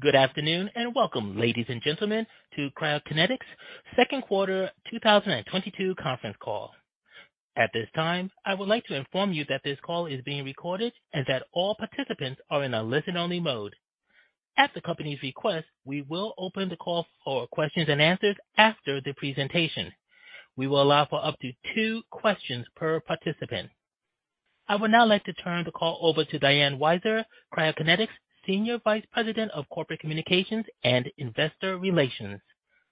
Good afternoon, and welcome, ladies and gentlemen, to Cytokinetics' second quarter 2022 conference call. At this time, I would like to inform you that this call is being recorded and that all participants are in a listen-only mode. At the company's request, we will open the call for questions and answers after the presentation. We will allow for up to two questions per participant. I would now like to turn the call over to Diane Weiser, Cytokinetics' Senior Vice President of Corporate Communications and Investor Relations.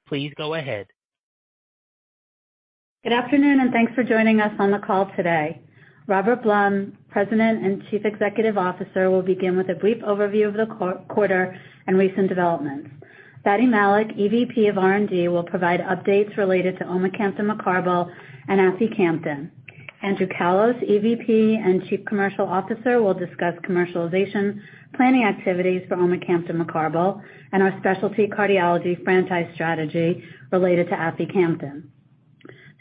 Please go ahead. Good afternoon, and thanks for joining us on the call today. Robert Blum, President and Chief Executive Officer, will begin with a brief overview of the quarter and recent developments. Fady Malik, EVP of R&D, will provide updates related to omecamtiv mecarbil and aficamten. Andrew Callos, EVP and Chief Commercial Officer, will discuss commercialization planning activities for omecamtiv mecarbil and our specialty cardiology franchise strategy related to aficamten.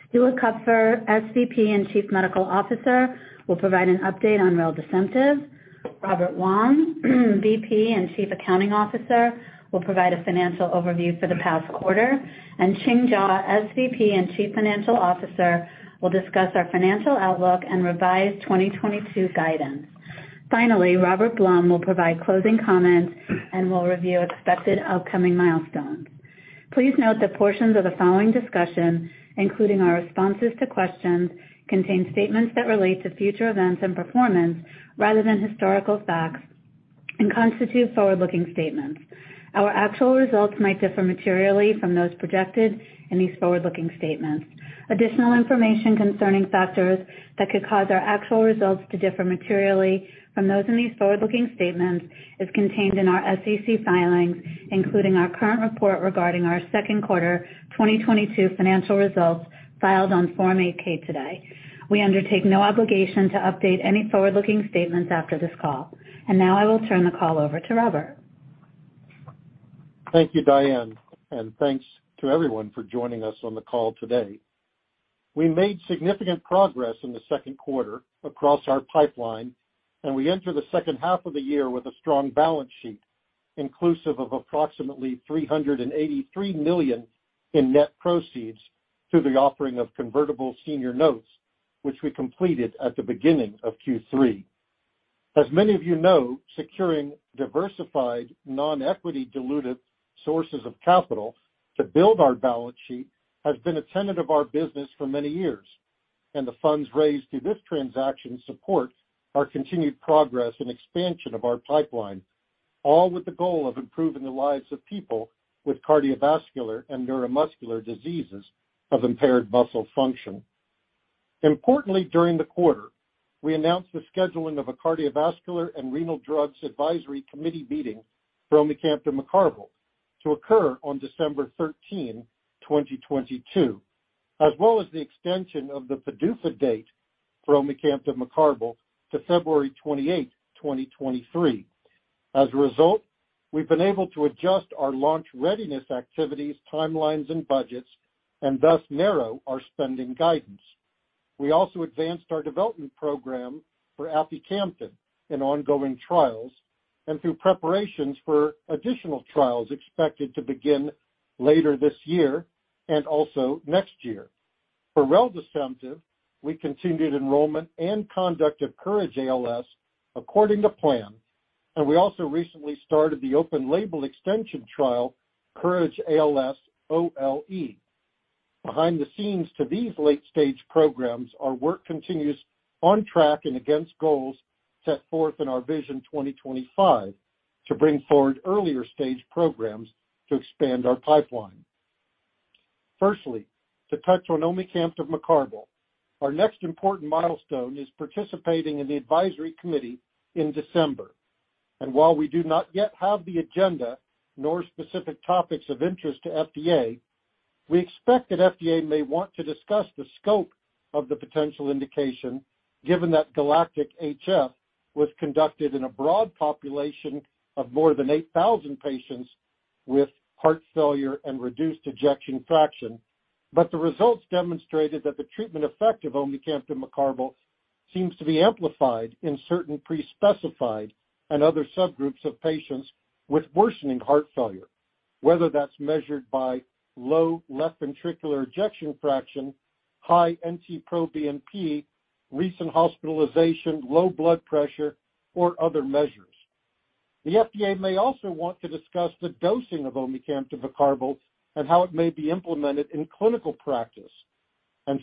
Stuart Kupfer, SVP and Chief Medical Officer, will provide an update on reldesemtiv. Robert Wong, VP and Chief Accounting Officer, will provide a financial overview for the past quarter. Ching Jaw, SVP and Chief Financial Officer, will discuss our financial outlook and revised 2022 guidance. Finally, Robert Blum will provide closing comments and will review expected upcoming milestones. Please note that portions of the following discussion, including our responses to questions, contain statements that relate to future events and performance rather than historical facts and constitute forward-looking statements. Our actual results might differ materially from those projected in these forward-looking statements. Additional information concerning factors that could cause our actual results to differ materially from those in these forward-looking statements is contained in our SEC filings, including our current report regarding our second quarter 2022 financial results filed on Form 8-K today. We undertake no obligation to update any forward-looking statements after this call. Now I will turn the call over to Robert. Thank you, Diane, and thanks to everyone for joining us on the call today. We made significant progress in the second quarter across our pipeline, and we enter the second half of the year with a strong balance sheet, inclusive of approximately $383 million in net proceeds through the offering of convertible senior notes, which we completed at the beginning of Q3. As many of you know, securing diversified non-equity dilutive sources of capital to build our balance sheet has been a tenet of our business for many years, and the funds raised through this transaction support our continued progress and expansion of our pipeline, all with the goal of improving the lives of people with cardiovascular and neuromuscular diseases of impaired muscle function. Importantly, during the quarter, we announced the scheduling of a Cardiovascular and Renal Drugs Advisory Committee meeting for omecamtiv mecarbil to occur on December 13th, 2022, as well as the extension of the PDUFA date for omecamtiv mecarbil to February 28th, 2023. As a result, we've been able to adjust our launch readiness activities, timelines, and budgets, and thus narrow our spending guidance. We also advanced our development program for aficamten in ongoing trials and through preparations for additional trials expected to begin later this year and also next year. For reldesemtiv, we continued enrollment and conduct of COURAGE-ALS according to plan, and we also recently started the open-label extension trial, COURAGE-ALS OLE. Behind the scenes to these late-stage programs, our work continues on track and against goals set forth in our Vision 2025 to bring forward earlier stage programs to expand our pipeline. Firstly, to touch on omecamtiv mecarbil. Our next important milestone is participating in the advisory committee in December. While we do not yet have the agenda nor specific topics of interest to FDA, we expect that FDA may want to discuss the scope of the potential indication, given that GALACTIC-HF was conducted in a broad population of more than 8,000 patients with heart failure and reduced ejection fraction. The results demonstrated that the treatment effect of omecamtiv mecarbil seems to be amplified in certain pre-specified and other subgroups of patients with worsening heart failure, whether that's measured by low left ventricular ejection fraction, high NT-proBNP, recent hospitalization, low blood pressure, or other measures. The FDA may also want to discuss the dosing of omecamtiv mecarbil and how it may be implemented in clinical practice.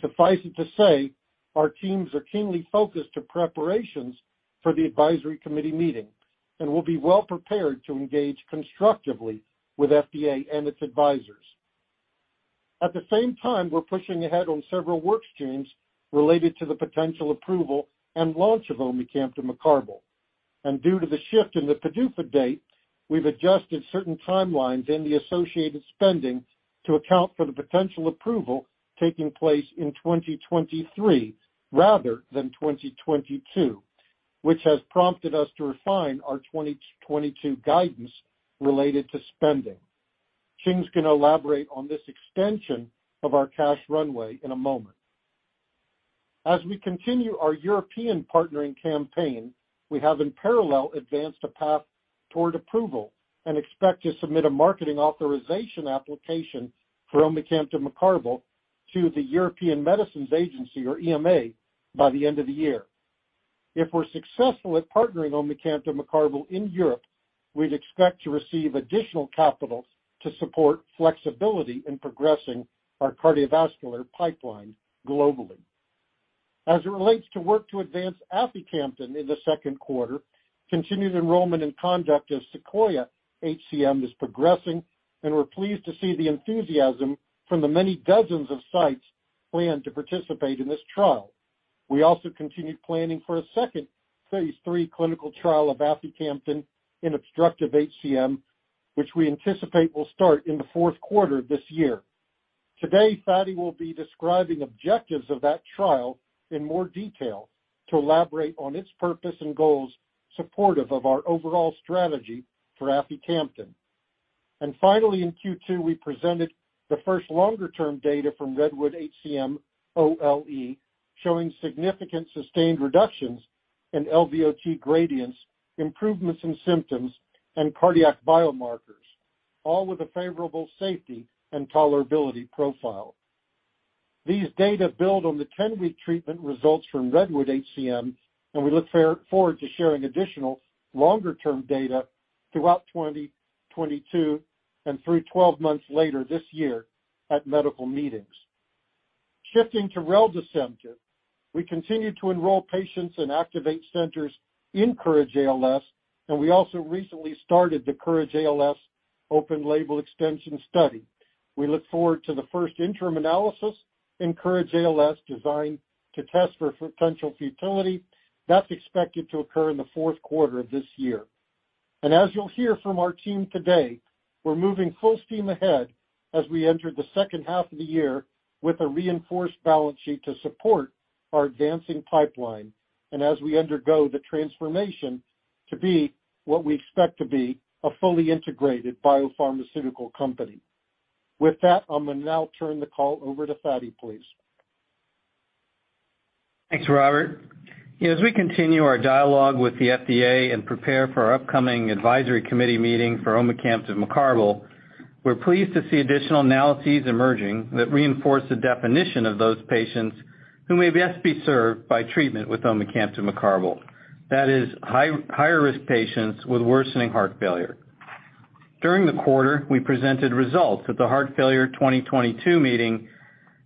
Suffice it to say, our teams are keenly focused to preparations for the advisory committee meeting and will be well prepared to engage constructively with FDA and its advisors. At the same time, we're pushing ahead on several work streams related to the potential approval and launch of omecamtiv mecarbil. Due to the shift in the PDUFA date, we've adjusted certain timelines and the associated spending to account for the potential approval taking place in 2023 rather than 2022, which has prompted us to refine our 2022 guidance related to spending. Ching Jaw's going to elaborate on this extension of our cash runway in a moment. As we continue our European partnering campaign, we have in parallel advanced a path toward approval and expect to submit a marketing authorization application for omecamtiv mecarbil to the European Medicines Agency, or EMA, by the end of the year. If we're successful at partnering omecamtiv mecarbil in Europe, we'd expect to receive additional capital to support flexibility in progressing our cardiovascular pipeline globally. As it relates to work to advance aficamten in the second quarter, continued enrollment and conduct of SEQUOIA-HCM is progressing, and we're pleased to see the enthusiasm from the many dozens of sites planned to participate in this trial. We also continued planning for a second phase III clinical trial of aficamten in obstructive HCM, which we anticipate will start in the fourth quarter this year. Today, Fady will be describing objectives of that trial in more detail to elaborate on its purpose and goals supportive of our overall strategy for aficamten. Finally, in Q2, we presented the first longer-term data from REDWOOD-HCM-OLE, showing significant sustained reductions in LVOT gradients, improvements in symptoms and cardiac biomarkers, all with a favorable safety and tolerability profile. These data build on the 10-week treatment results from REDWOOD-HCM, and we look forward to sharing additional longer-term data throughout 2022 and through 12 months later this year at medical meetings. Shifting to reldesemtiv, we continue to enroll patients and activate centers in COURAGE-ALS, and we also recently started the COURAGE-ALS open label extension study. We look forward to the first interim analysis in COURAGE-ALS designed to test for potential futility. That's expected to occur in the fourth quarter of this year. As you'll hear from our team today, we're moving full steam ahead as we enter the second half of the year with a reinforced balance sheet to support our advancing pipeline and as we undergo the transformation to be what we expect to be a fully integrated biopharmaceutical company. With that, I'm going to now turn the call over to Fady, please. Thanks, Robert. As we continue our dialogue with the FDA and prepare for our upcoming advisory committee meeting for omecamtiv mecarbil, we're pleased to see additional analyses emerging that reinforce the definition of those patients who may best be served by treatment with omecamtiv mecarbil. That is higher-risk patients with worsening heart failure. During the quarter, we presented results at the Heart Failure 2022 meeting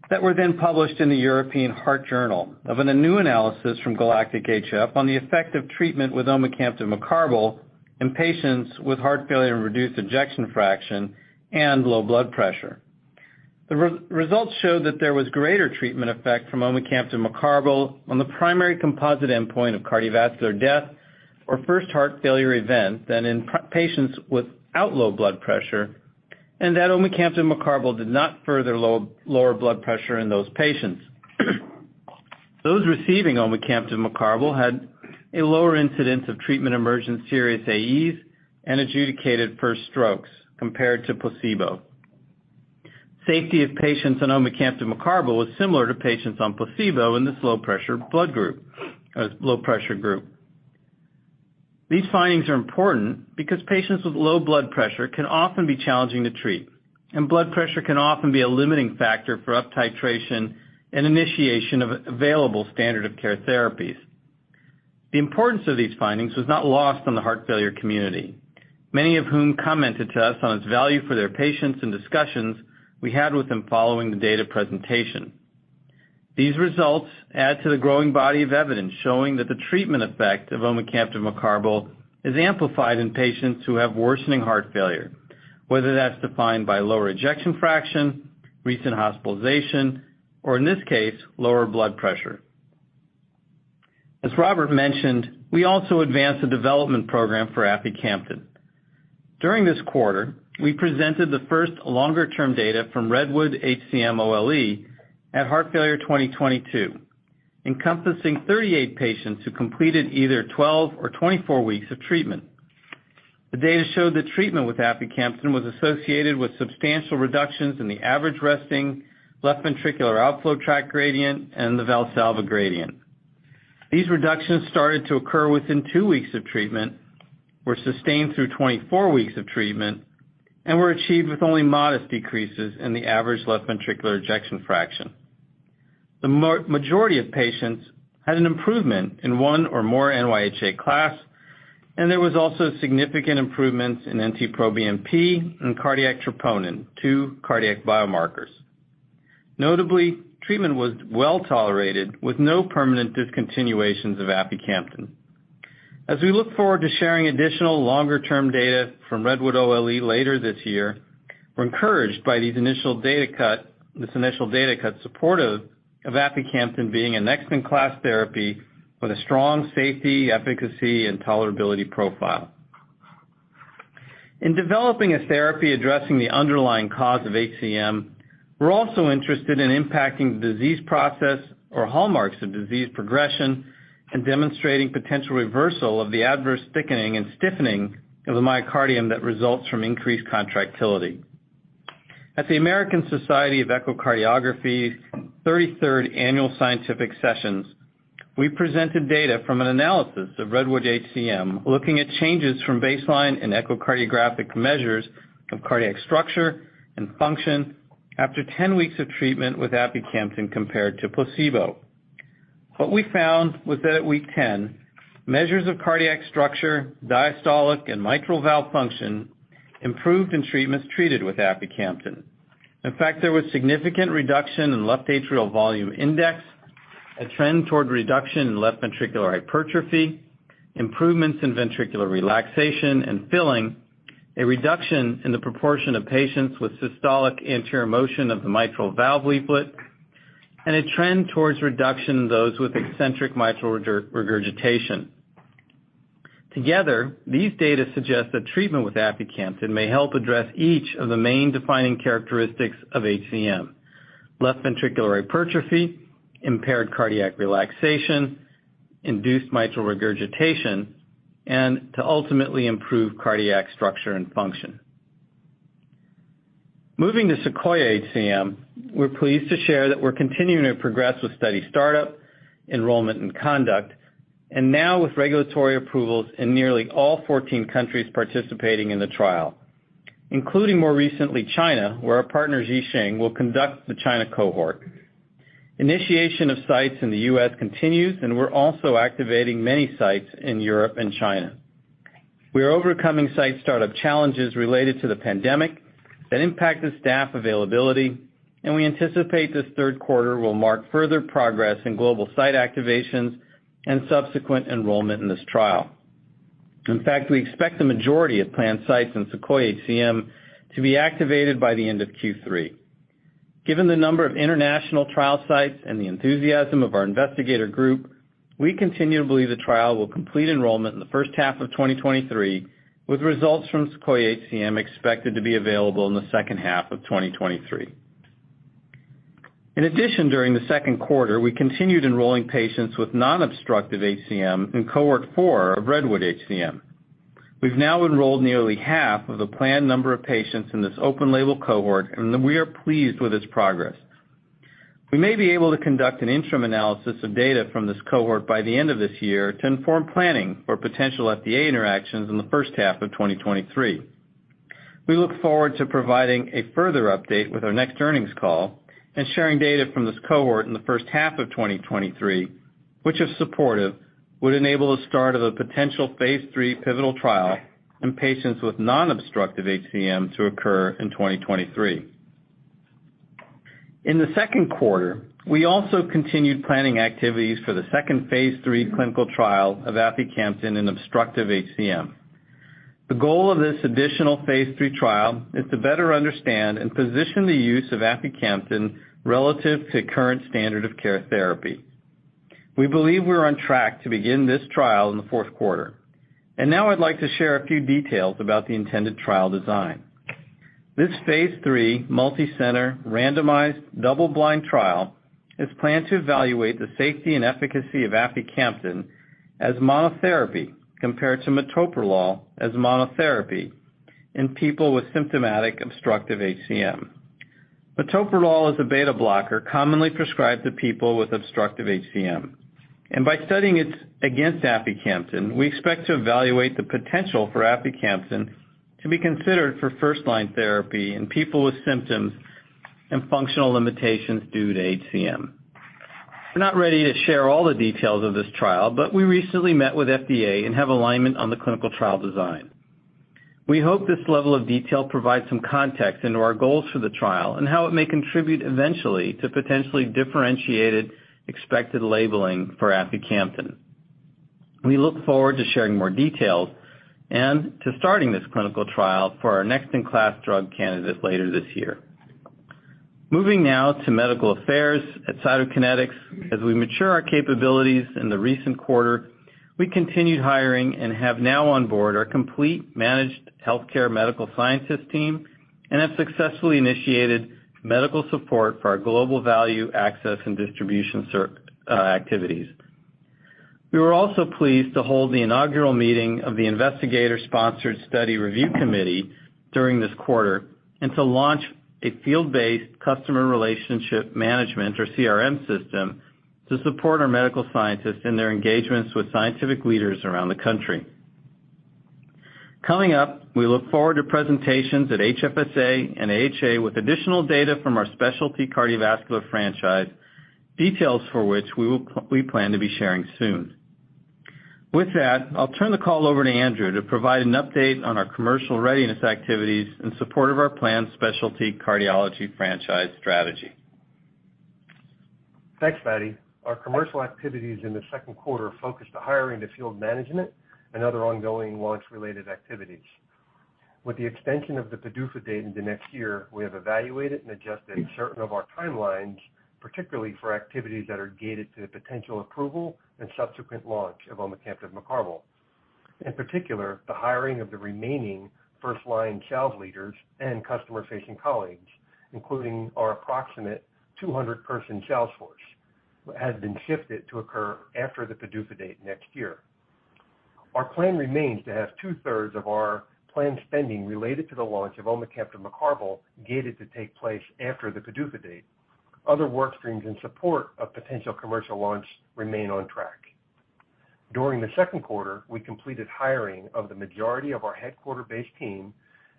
that were then published in the European Heart Journal of a new analysis from GALACTIC-HF on the effect of treatment with omecamtiv mecarbil in patients with heart failure and reduced ejection fraction and low blood pressure. The results showed that there was greater treatment effect from omecamtiv mecarbil on the primary composite endpoint of cardiovascular death or first heart failure event than in patients without low blood pressure, and that omecamtiv mecarbil did not further lower blood pressure in those patients. Those receiving omecamtiv mecarbil had a lower incidence of treatment-emergent serious AEs and adjudicated first strokes compared to placebo. Safety of patients on omecamtiv mecarbil was similar to patients on placebo in this low pressure group. These findings are important because patients with low blood pressure can often be challenging to treat, and blood pressure can often be a limiting factor for uptitration and initiation of available standard of care therapies. The importance of these findings was not lost on the heart failure community, many of whom commented to us on its value for their patients and discussions we had with them following the data presentation. These results add to the growing body of evidence showing that the treatment effect of omecamtiv mecarbil is amplified in patients who have worsening heart failure, whether that's defined by lower ejection fraction, recent hospitalization, or in this case, lower blood pressure. As Robert mentioned, we also advanced the development program for aficamten. During this quarter, we presented the first longer-term data from REDWOOD-HCM OLE at Heart Failure 2022, encompassing 38 patients who completed either 12 or 24 weeks of treatment. The data showed that treatment with aficamten was associated with substantial reductions in the average resting left ventricular outflow tract gradient and the Valsalva gradient. These reductions started to occur within two weeks of treatment, were sustained through 24 weeks of treatment, and were achieved with only modest decreases in the average left ventricular ejection fraction. The majority of patients had an improvement in one or more NYHA class, and there was also significant improvements in NT-proBNP and cardiac troponin, two cardiac biomarkers. Notably, treatment was well-tolerated with no permanent discontinuations of aficamten. As we look forward to sharing additional longer-term data from REDWOOD-HCM OLE later this year, we're encouraged by this initial data cut supportive of aficamten being a next-in-class therapy with a strong safety, efficacy, and tolerability profile. In developing a therapy addressing the underlying cause of HCM, we're also interested in impacting the disease process or hallmarks of disease progression and demonstrating potential reversal of the adverse thickening and stiffening of the myocardium that results from increased contractility. At the American Society of Echocardiography 33rd Annual Scientific Sessions, we presented data from an analysis of REDWOOD-HCM looking at changes from baseline and echocardiographic measures of cardiac structure and function after 10 weeks of treatment with aficamten compared to placebo. What we found was that at week 10, measures of cardiac structure, diastolic and mitral valve function improved in patients treated with aficamten. In fact, there was significant reduction in left atrial volume index, a trend toward reduction in left ventricular hypertrophy, improvements in ventricular relaxation and filling, a reduction in the proportion of patients with systolic anterior motion of the mitral valve leaflet, and a trend towards reduction in those with eccentric mitral regurgitation. Together, these data suggest that treatment with aficamten may help address each of the main defining characteristics of HCM, left ventricular hypertrophy, impaired cardiac relaxation, induced mitral regurgitation, and to ultimately improve cardiac structure and function. Moving to SEQUOIA-HCM, we're pleased to share that we're continuing to progress with study startup, enrollment, and conduct, and now with regulatory approvals in nearly all 14 countries participating in the trial, including more recently, China, where our partner, Ji Xing, will conduct the China cohort. Initiation of sites in the U.S. continues, and we're also activating many sites in Europe and China. We are overcoming site startup challenges related to the pandemic that impacted staff availability, and we anticipate this third quarter will mark further progress in global site activations and subsequent enrollment in this trial. In fact, we expect the majority of planned sites in SEQUOIA-HCM to be activated by the end of Q3. Given the number of international trial sites and the enthusiasm of our investigator group, we continue to believe the trial will complete enrollment in the first half of 2023, with results from SEQUOIA-HCM expected to be available in the second half of 2023. In addition, during the second quarter, we continued enrolling patients with non-obstructive HCM in cohort four of REDWOOD-HCM. We've now enrolled nearly half of the planned number of patients in this open label cohort, and we are pleased with its progress. We may be able to conduct an interim analysis of data from this cohort by the end of this year to inform planning for potential FDA interactions in the first half of 2023. We look forward to providing a further update with our next earnings call and sharing data from this cohort in the first half of 2023, which, if supportive, would enable the start of a potential phase III pivotal trial in patients with non-obstructive HCM to occur in 2023. In the second quarter, we also continued planning activities for the second phase III clinical trial of aficamten in obstructive HCM. The goal of this additional phase III trial is to better understand and position the use of aficamten relative to current standard of care therapy. We believe we're on track to begin this trial in the fourth quarter. Now I'd like to share a few details about the intended trial design. This phase III multicenter randomized double-blind trial is planned to evaluate the safety and efficacy of aficamten as monotherapy compared to metoprolol as monotherapy in people with symptomatic obstructive HCM. Metoprolol is a beta blocker commonly prescribed to people with obstructive HCM. By studying it against aficamten, we expect to evaluate the potential for aficamten to be considered for first-line therapy in people with symptoms and functional limitations due to HCM. We're not ready to share all the details of this trial, but we recently met with FDA and have alignment on the clinical trial design. We hope this level of detail provides some context into our goals for the trial and how it may contribute eventually to potentially differentiated expected labeling for aficamten. We look forward to sharing more details and to starting this clinical trial for our next in-class drug candidate later this year. Moving now to medical affairs at Cytokinetics. As we mature our capabilities in the recent quarter, we continued hiring and have now on board our complete managed healthcare medical sciences team and have successfully initiated medical support for our global value access and distribution activities. We were also pleased to hold the inaugural meeting of the Investigator Sponsored Study Review Committee during this quarter and to launch a field-based customer relationship management, or CRM, system to support our medical scientists in their engagements with scientific leaders around the country. Coming up, we look forward to presentations at HFSA and AHA with additional data from our specialty cardiovascular franchise, details for which we plan to be sharing soon. With that, I'll turn the call over to Andrew to provide an update on our commercial readiness activities in support of our planned specialty cardiology franchise strategy. Thanks, Fady. Our commercial activities in the second quarter focused on hiring to field management and other ongoing launch-related activities. With the extension of the PDUFA date into next year, we have evaluated and adjusted certain of our timelines, particularly for activities that are gated to the potential approval and subsequent launch of omecamtiv mecarbil. In particular, the hiring of the remaining first-line sales leaders and customer-facing colleagues, including our approximate 200-person sales force, has been shifted to occur after the PDUFA date next year. Our plan remains to have two-thirds of our planned spending related to the launch of omecamtiv mecarbil gated to take place after the PDUFA date. Other work streams in support of potential commercial launch remain on track. During the second quarter, we completed hiring of the majority of our headquarters-based team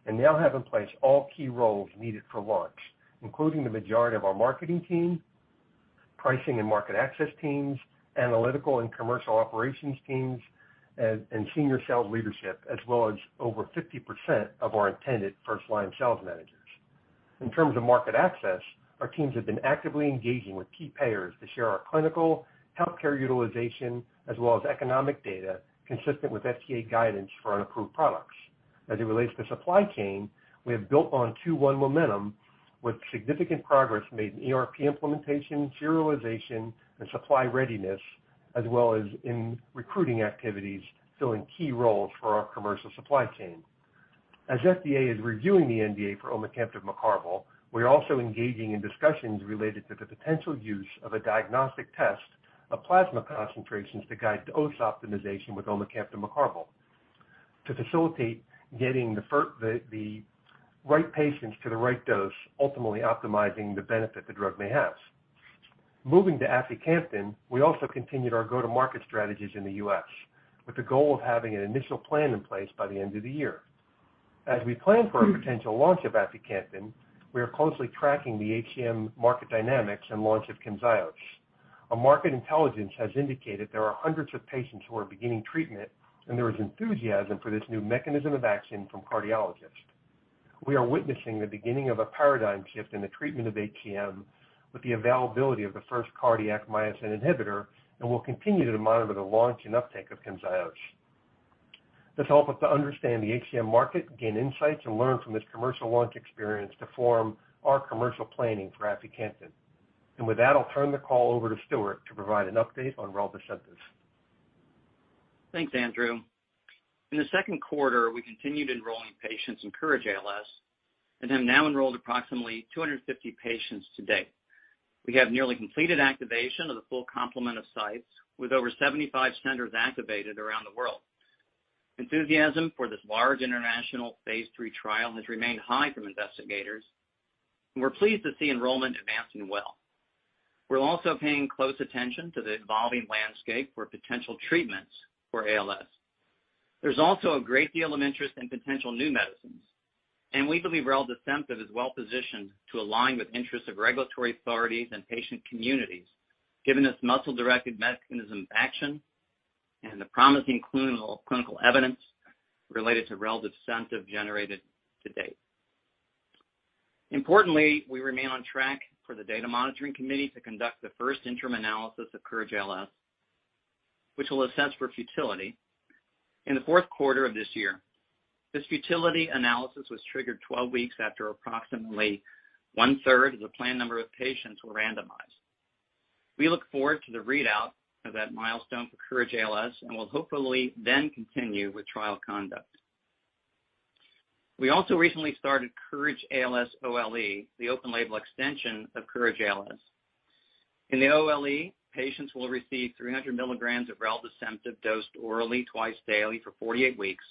and now have in place all key roles needed for launch, including the majority of our marketing team, pricing and market access teams, analytical and commercial operations teams, and senior sales leadership, as well as over 50% of our intended first-line sales managers. In terms of market access, our teams have been actively engaging with key payers to share our clinical, healthcare utilization, as well as economic data consistent with FDA guidance for unapproved products. As it relates to supply chain, we have built on 2021 momentum with significant progress made in ERP implementation, serialization, and supply readiness, as well as in recruiting activities, filling key roles for our commercial supply chain. As FDA is reviewing the NDA for omecamtiv mecarbil, we're also engaging in discussions related to the potential use of a diagnostic test of plasma concentrations to guide dose optimization with omecamtiv mecarbil to facilitate getting the right patients to the right dose, ultimately optimizing the benefit the drug may have. Moving to aficamten, we also continued our go-to-market strategies in the U.S. with the goal of having an initial plan in place by the end of the year. As we plan for a potential launch of aficamten, we are closely tracking the HCM market dynamics and launch of Camzyos. Our market intelligence has indicated there are hundreds of patients who are beginning treatment, and there is enthusiasm for this new mechanism of action from cardiologists. We are witnessing the beginning of a paradigm shift in the treatment of HCM with the availability of the first cardiac myosin inhibitor, and we'll continue to monitor the launch and uptake of Camzyos. This help us to understand the HCM market, gain insights, and learn from this commercial launch experience to form our commercial planning for aficamten. With that, I'll turn the call over to Stuart to provide an update on reldesemtiv. Thanks, Andrew. In the second quarter, we continued enrolling patients in COURAGE-ALS and have now enrolled approximately 250 patients to date. We have nearly completed activation of the full complement of sites with over 75 centers activated around the world. Enthusiasm for this large international phase III trial has remained high from investigators, and we're pleased to see enrollment advancing well. We're also paying close attention to the evolving landscape for potential treatments for ALS. There's also a great deal of interest in potential new medicines, and we believe reldesemtiv is well-positioned to align with interests of regulatory authorities and patient communities, given its muscle-directed mechanism of action and the promising clinical evidence related to reldesemtiv generated to date. Importantly, we remain on track for the data monitoring committee to conduct the first interim analysis of COURAGE-ALS, which will assess for futility in the fourth quarter of this year. This futility analysis was triggered 12 weeks after approximately one-third of the planned number of patients were randomized. We look forward to the readout of that milestone for COURAGE-ALS and will hopefully then continue with trial conduct. We also recently started COURAGE-ALS OLE, the open-label extension of COURAGE-ALS. In the OLE, patients will receive 300 milligrams of reldesemtiv dosed orally twice daily for 48 weeks,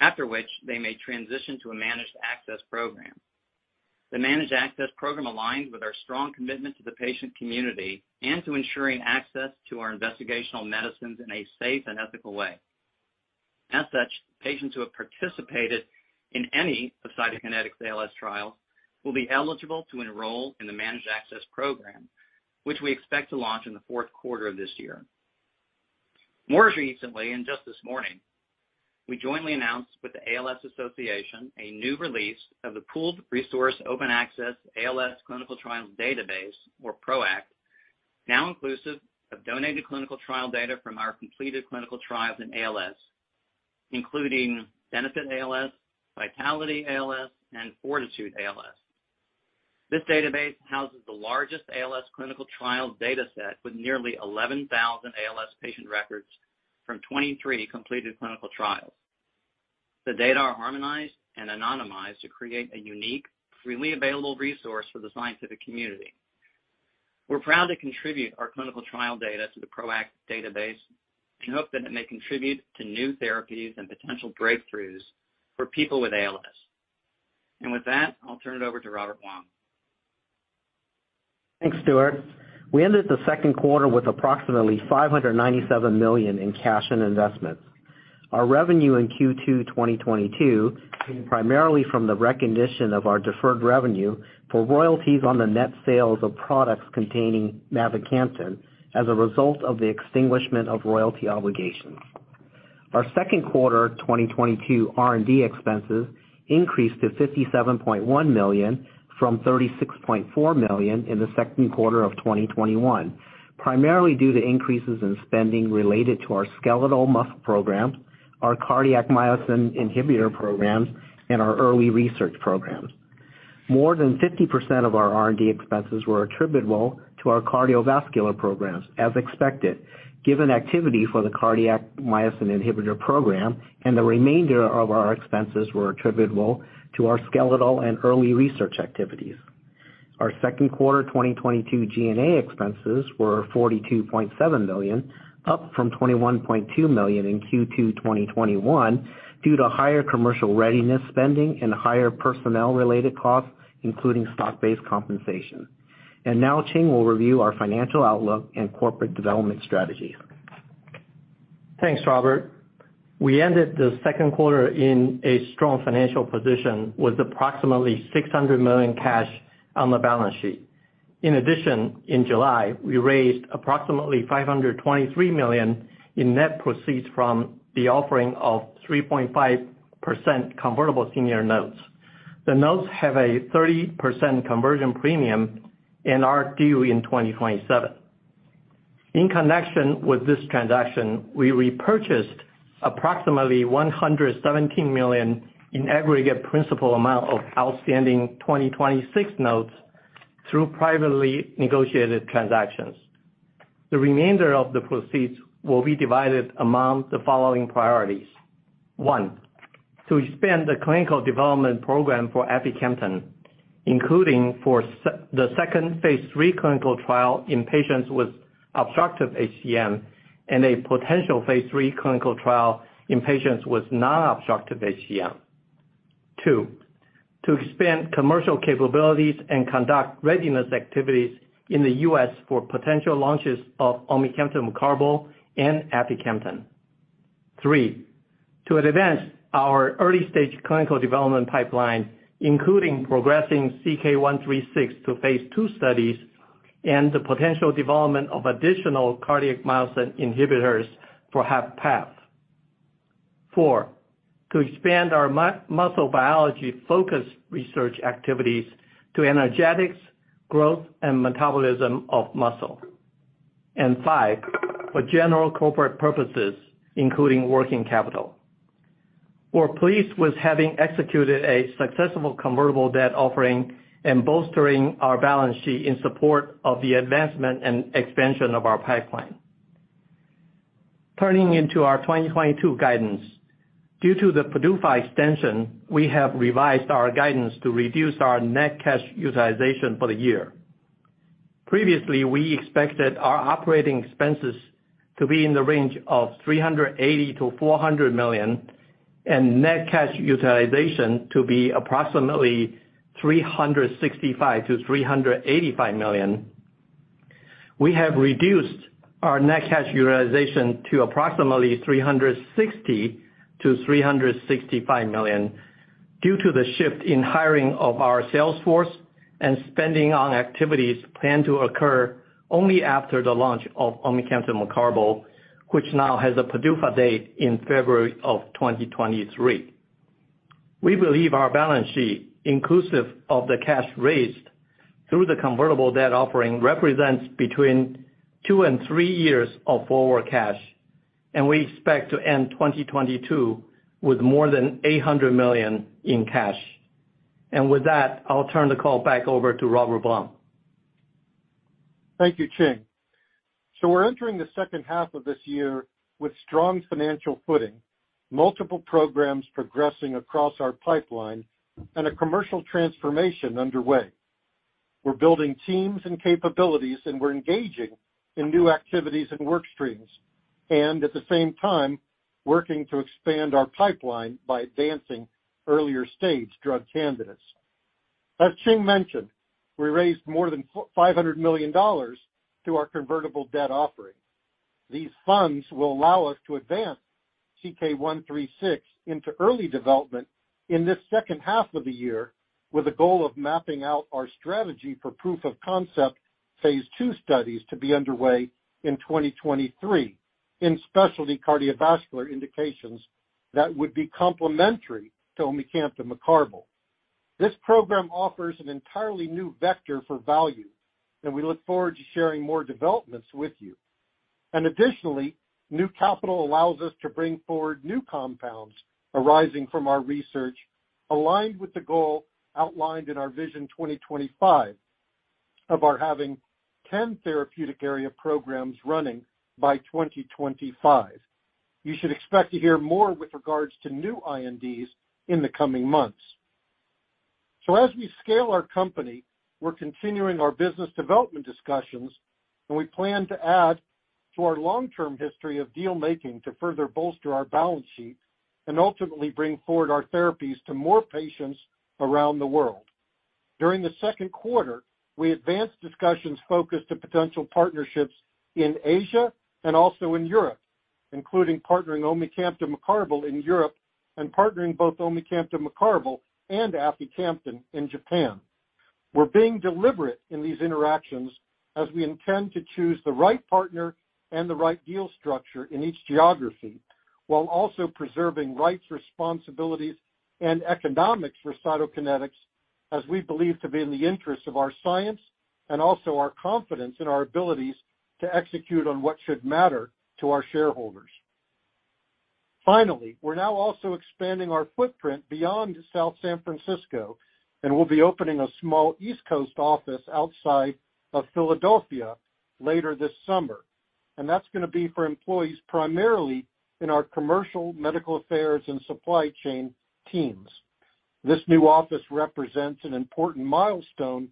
after which they may transition to a managed access program. The managed access program aligns with our strong commitment to the patient community and to ensuring access to our investigational medicines in a safe and ethical way. As such, patients who have participated in any of Cytokinetics ALS trials will be eligible to enroll in the managed access program, which we expect to launch in the fourth quarter of this year. More recently, and just this morning, we jointly announced with the ALS Association a new release of the Pooled Resource Open-Access ALS Clinical Trials Database, or PRO-ACT, now inclusive of donated clinical trial data from our completed clinical trials in ALS, including BENEFIT-ALS, VITALITY-ALS, and FORTITUDE-ALS. This database houses the largest ALS clinical trial data set with nearly 11,000 ALS patient records from 23 completed clinical trials. The data are harmonized and anonymized to create a unique, freely available resource for the scientific community. We're proud to contribute our clinical trial data to the PRO-ACT database and hope that it may contribute to new therapies and potential breakthroughs for people with ALS. With that, I'll turn it over to Robert Wong. Thanks, Stuart. We ended the second quarter with approximately $597 million in cash and investments. Our revenue in Q2 2022 came primarily from the recognition of our deferred revenue for royalties on the net sales of products containing mavacamten as a result of the extinguishment of royalty obligations. Our second quarter 2022 R&D expenses increased to $57.1 million from $36.4 million in the second quarter of 2021, primarily due to increases in spending related to our skeletal muscle program, our cardiac myosin inhibitor program, and our early research programs. More than 50% of our R&D expenses were attributable to our cardiovascular programs as expected, given activity for the cardiac myosin inhibitor program, and the remainder of our expenses were attributable to our skeletal and early research activities. Our second quarter 2022 G&A expenses were $42.7 million, up from $21.2 million in Q2 2021 due to higher commercial readiness spending and higher personnel-related costs, including stock-based compensation. Now Ching Jaw will review our financial outlook and corporate development strategy. Thanks, Robert. We ended the second quarter in a strong financial position with approximately $600 million cash on the balance sheet. In addition, in July, we raised approximately $523 million in net proceeds from the offering of 3.5% convertible senior notes. The notes have a 30% conversion premium and are due in 2027. In connection with this transaction, we repurchased approximately $117 million in aggregate principal amount of outstanding 2026 notes through privately negotiated transactions. The remainder of the proceeds will be divided among the following priorities. One, to expand the clinical development program for aficamten, including the second phase III clinical trial in patients with obstructive HCM and a potential phase III clinical trial in patients with non-obstructive HCM. Two, to expand commercial capabilities and conduct readiness activities in the US for potential launches of omecamtiv mecarbil and aficamten. Three, to advance our early-stage clinical development pipeline, including progressing CK-136 to phase II studies and the potential development of additional cardiac myosin inhibitors for HFpEF. Four, to expand our muscle biology-focused research activities to energetics, growth, and metabolism of muscle. Five, for general corporate purposes, including working capital. We're pleased with having executed a successful convertible debt offering and bolstering our balance sheet in support of the advancement and expansion of our pipeline. Turning to our 2022 guidance. Due to the PDUFA extension, we have revised our guidance to reduce our net cash utilization for the year. Previously, we expected our operating expenses to be in the range of $380 million-$400 million and net cash utilization to be approximately $365 million-$385 million. We have reduced our net cash utilization to approximately $360 million-$365 million due to the shift in hiring of our sales force and spending on activities planned to occur only after the launch of omecamtiv mecarbil, which now has a PDUFA date in February 2023. We believe our balance sheet, inclusive o. The cash raised through the convertible debt offering, represents between two and three years of forward cash, and we expect to end 2022 with more than $800 million in cash. With that, I'll turn the call back over to Robert Blum. Thank you, Ching. We're entering the second half of this year with strong financial footing, multiple programs progressing across our pipeline, and a commercial transformation underway. We're building teams and capabilities, and we're engaging in new activities and work streams and, at the same time, working to expand our pipeline by advancing earlier-stage drug candidates. As Ching mentioned, we raised more than $500 million through our convertible debt offering. These funds will allow us to advance CK-136 into early development in this second half of the year with the goal of mapping out our strategy for proof of concept phase II studies to be underway in 2023 in specialty cardiovascular indications that would be complementary to omecamtiv mecarbil. This program offers an entirely new vector for value, and we look forward to sharing more developments with you. Additionally, new capital allows us to bring forward new compounds arising from our research aligned with the goal outlined in our Vision 2025 of our having 10 therapeutic area programs running by 2025. You should expect to hear more with regards to new INDs in the coming months. As we scale our company, we're continuing our business development discussions, and we plan to add to our long-term history of deal-making to further bolster our balance sheet and ultimately bring forward our therapies to more patients around the world. During the second quarter, we advanced discussions focused on potential partnerships in Asia and also in Europe, including partnering omecamtiv mecarbil in Europe and partnering both omecamtiv mecarbil and aficamten in Japan. We're being deliberate in these interactions as we intend to choose the right partner and the right deal structure in each geography, while also preserving rights, responsibilities, and economics for Cytokinetics, as we believe to be in the interest of our science and also our confidence in our abilities to execute on what should matter to our shareholders. Finally, we're now also expanding our footprint beyond South San Francisco, and we'll be opening a small East Coast office outside of Philadelphia later this summer. That's gonna be for employees primarily in our commercial, medical affairs, and supply chain teams. This new office represents an important milestone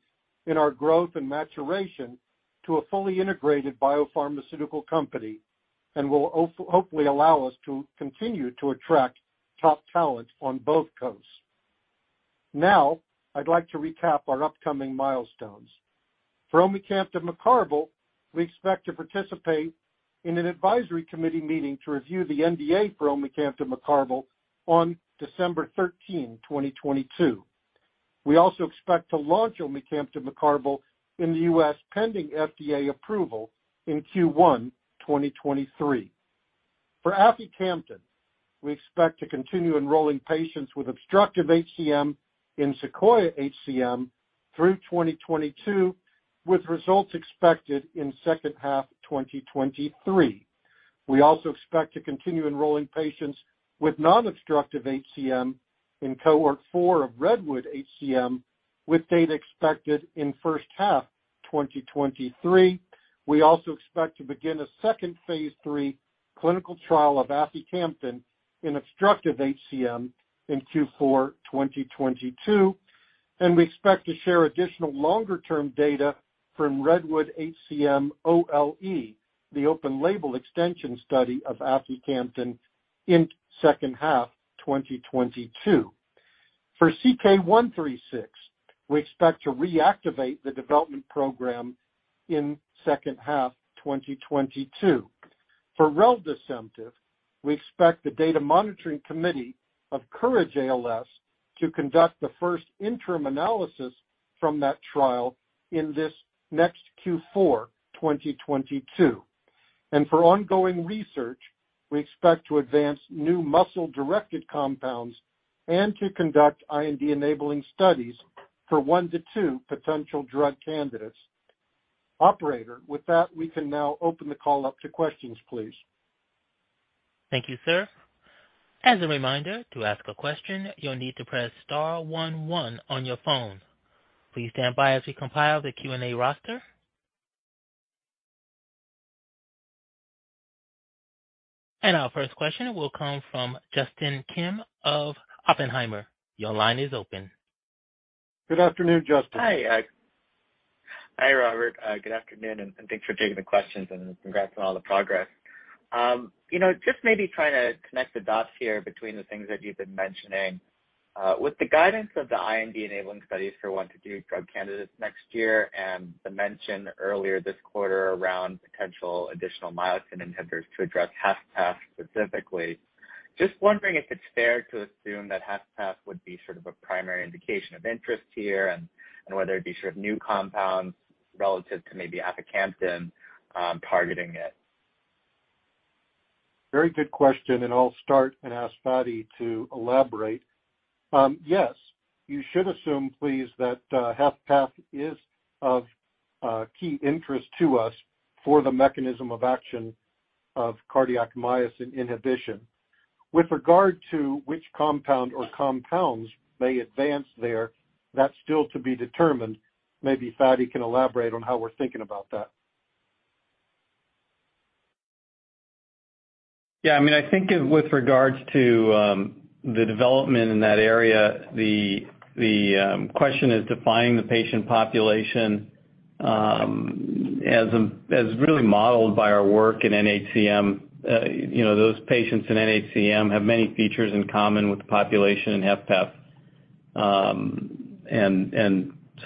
in our growth and maturation to a fully integrated biopharmaceutical company and will hopefully allow us to continue to attract top talent on both coasts. Now, I'd like to recap our upcoming milestones. For omecamtiv mecarbil, we expect to participate in an advisory committee meeting to review the NDA for omecamtiv mecarbil on December 13, 2022. We also expect to launch omecamtiv mecarbil in the U.S. pending FDA approval in Q1 2023. For aficamten, we expect to continue enrolling patients with obstructive HCM in SEQUOIA-HCM through 2022, with results expected in second half 2023. We also expect to continue enrolling patients with non-obstructive HCM in cohort 4 of REDWOOD-HCM, with data expected in first half 2023. We also expect to begin a second phase III clinical trial of aficamten in obstructive HCM in Q4 2022, and we expect to share additional longer-term data from REDWOOD-HCM OLE, the open-label extension study of aficamten in second half 2022. For CK-136, we expect to reactivate the development program in second half 2022. For reldesemtiv, we expect the data monitoring committee of COURAGE-ALS to conduct the first interim analysis from that trial in this next Q4 2022. For ongoing research, we expect to advance new muscle-directed compounds and to conduct IND-enabling studies for 1-2 potential drug candidates. Operator, with that, we can now open the call up to questions, please. Thank you, sir. As a reminder, to ask a question, you'll need to press star one one on your phone. Please stand by as we compile the Q&A roster. Our first question will come from Justin Kim of Oppenheimer. Your line is open. Good afternoon, Justin. Hi, Robert. Good afternoon, and thanks for taking the questions and congrats on all the progress. You know, just maybe trying to connect the dots here between the things that you've been mentioning. With the guidance of the IND-enabling studies for 1-2 drug candidates next year and the mention earlier this quarter around potential additional myosin inhibitors to address HFpEF specifically, just wondering if it's fair to assume that HFpEF would be sort of a primary indication of interest here and whether it'd be sort of new compounds relative to maybe aficamten, targeting it. Very good question, and I'll start and ask Fady to elaborate. Yes, you should assume, please, that HFpEF is of key interest to us for the mechanism of action of cardiac myosin inhibition. With regard to which compound or compounds may advance there, that's still to be determined. Maybe Fady can elaborate on how we're thinking about that. Yeah. I mean, I think with regards to the development in that area, the question is defining the patient population as really modeled by our work in NHCM. You know, those patients in NHCM have many features in common with the population in HFpEF.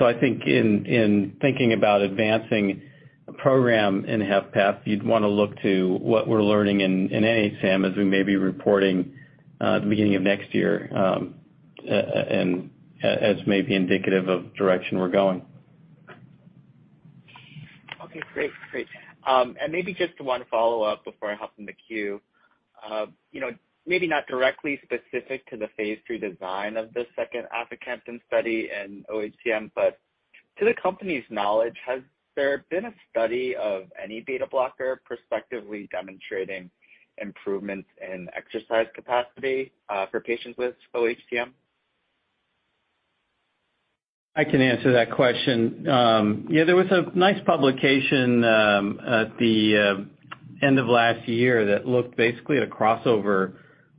I think in thinking about advancing a program in HFpEF, you'd wanna look to what we're learning in NHCM as we may be reporting at the beginning of next year, and as may be indicative of direction we're going. Okay, great. Maybe just one follow-up before I hop in the queue. You know, maybe not directly specific to the phase III design of the second aficamten study in oHCM, but to the company's knowledge, has there been a study of any beta blocker prospectively demonstrating improvements in exercise capacity, for patients with oHCM? I can answer that question. Yeah, there was a nice publication at the end of last year that looked basically at a crossover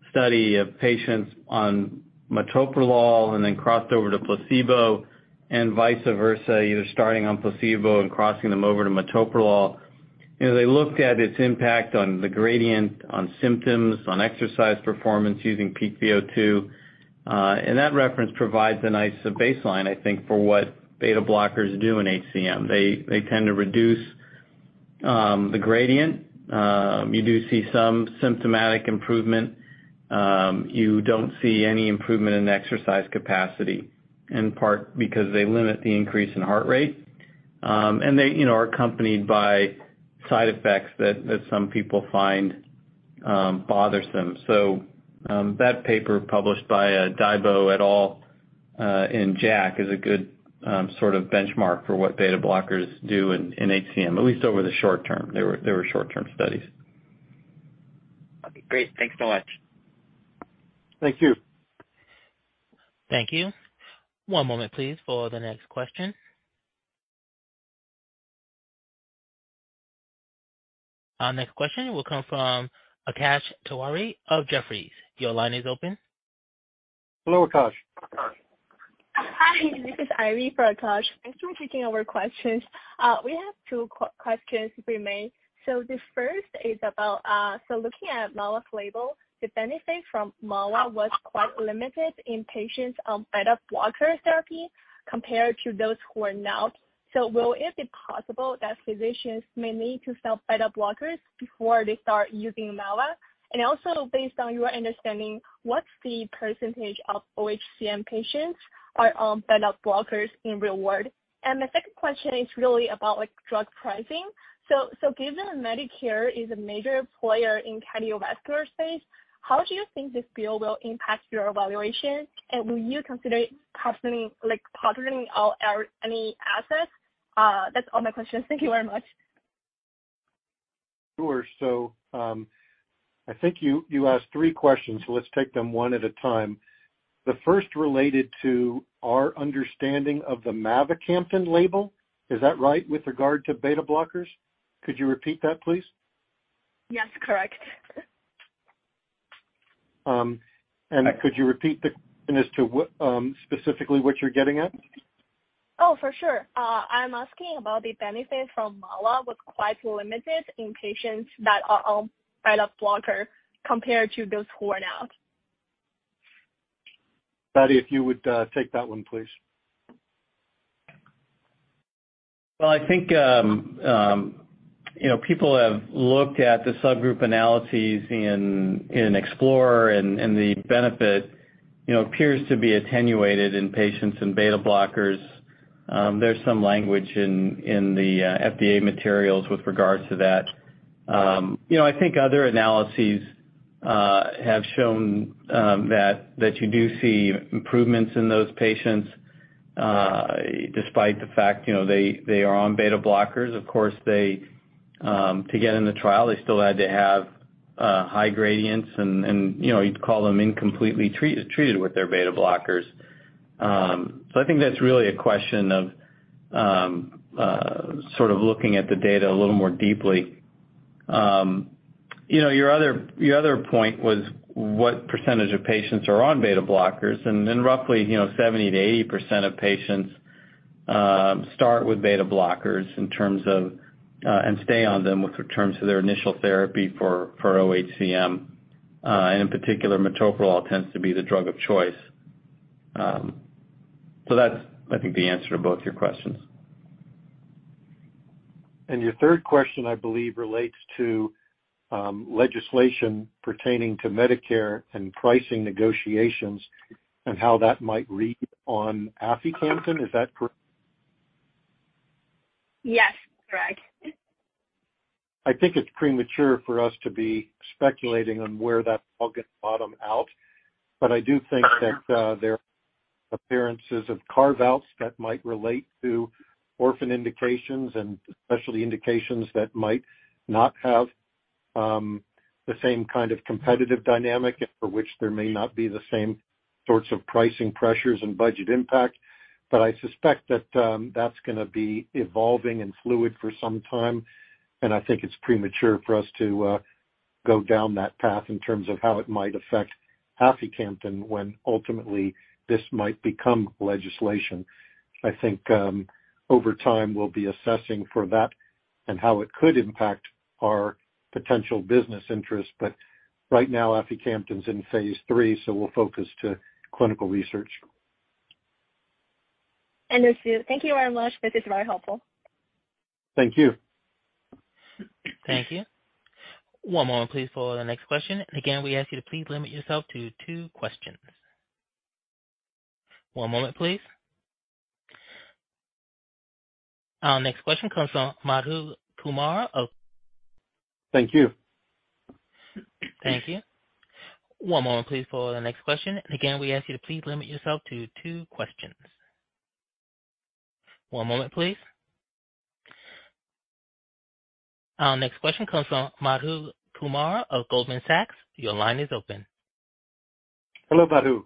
study of patients on metoprolol and then crossed over to placebo and vice versa, either starting on placebo and crossing them over to metoprolol. You know, they looked at its impact on the gradient, on symptoms, on exercise performance using peak VO2, and that reference provides a nice baseline, I think, for what beta blockers do in HCM. They tend to reduce the gradient. You do see some symptomatic improvement. You don't see any improvement in exercise capacity, in part because they limit the increase in heart rate, and they, you know, are accompanied by side effects that some people find bothersome. That paper published by Dibble et al in JACC is a good sort of benchmark for what beta blockers do in HCM, at least over the short term. They were short-term studies. Great. Thanks so much. Thank you. Thank you. One moment please for the next question. Our next question will come from Akash Tewari of Jefferies. Your line is open. Hello, Akash. Hi, this is Ivy for Akash. Thanks for taking our questions. We have two questions if we may. The first is about looking at mavacamten's label, the benefit from mavacamten was quite limited in patients on beta blocker therapy compared to those who are not. Will it be possible that physicians may need to stop beta blockers before they start using mavacamten? And also, based on your understanding, what's the percentage of oHCM patients are on beta blockers in real world? And the second question is really about, like, drug pricing. Given Medicare is a major player in cardiovascular space, how do you think this bill will impact your evaluation? And will you consider partnering on any assets? That's all my questions. Thank you very much. Sure. I think you asked three questions. Let's take them one at a time. The first related to our understanding of the mavacamten label. Is that right with regard to beta blockers? Could you repeat that, please? Yes, correct. Could you repeat the question as to what, specifically what you're getting at? Oh, for sure. I'm asking about the benefit from mavacamten was quite limited in patients that are on beta blocker compared to those who are not. Fady, if you would, take that one, please. Well, I think, you know, people have looked at the subgroup analyses in EXPLORER-HCM and the benefit, you know, appears to be attenuated in patients on beta blockers. There's some language in the FDA materials with regards to that. You know, I think other analyses have shown that you do see improvements in those patients, despite the fact, you know, they are on beta blockers. Of course, to get in the trial, they still had to have high gradients and, you know, you'd call them incompletely treated with their beta blockers. I think that's really a question of sort of looking at the data a little more deeply. You know, your other point was what percentage of patients are on beta blockers, and then roughly, you know, 70%-80% of patients start with beta blockers in terms of, and stay on them in terms of their initial therapy for oHCM. In particular, metoprolol tends to be the drug of choice. That's, I think, the answer to both of your questions. Your third question, I believe, relates to legislation pertaining to Medicare and pricing negotiations and how that might read on aficamten. Is that correct? Yes, correct. I think it's premature for us to be speculating on where that will bottom out, but I do think that there are appearances of carve-outs that might relate to orphan indications and specialty indications that might not have the same kind of competitive dynamic for which there may not be the same sorts of pricing pressures and budget impact. I suspect that that's gonna be evolving and fluid for some time, and I think it's premature for us to go down that path in terms of how it might affect aficamten when ultimately this might become legislation. I think over time, we'll be assessing for that and how it could impact our potential business interests. Right now, aficamten's in phase III, so we'll focus on clinical research. Understood. Thank you very much. This is very helpful. Thank you. Thank you. One moment please for the next question. Again, we ask you to please limit yourself to two questions. One moment, please. Our next question comes from Madhu Kumar of- Thank you. Thank you. One moment, please for the next question. Again, we ask you to please limit yourself to two questions. One moment, please. Our next question comes from Madhu Kumar of Goldman Sachs. Your line is open. Hello, Madhu.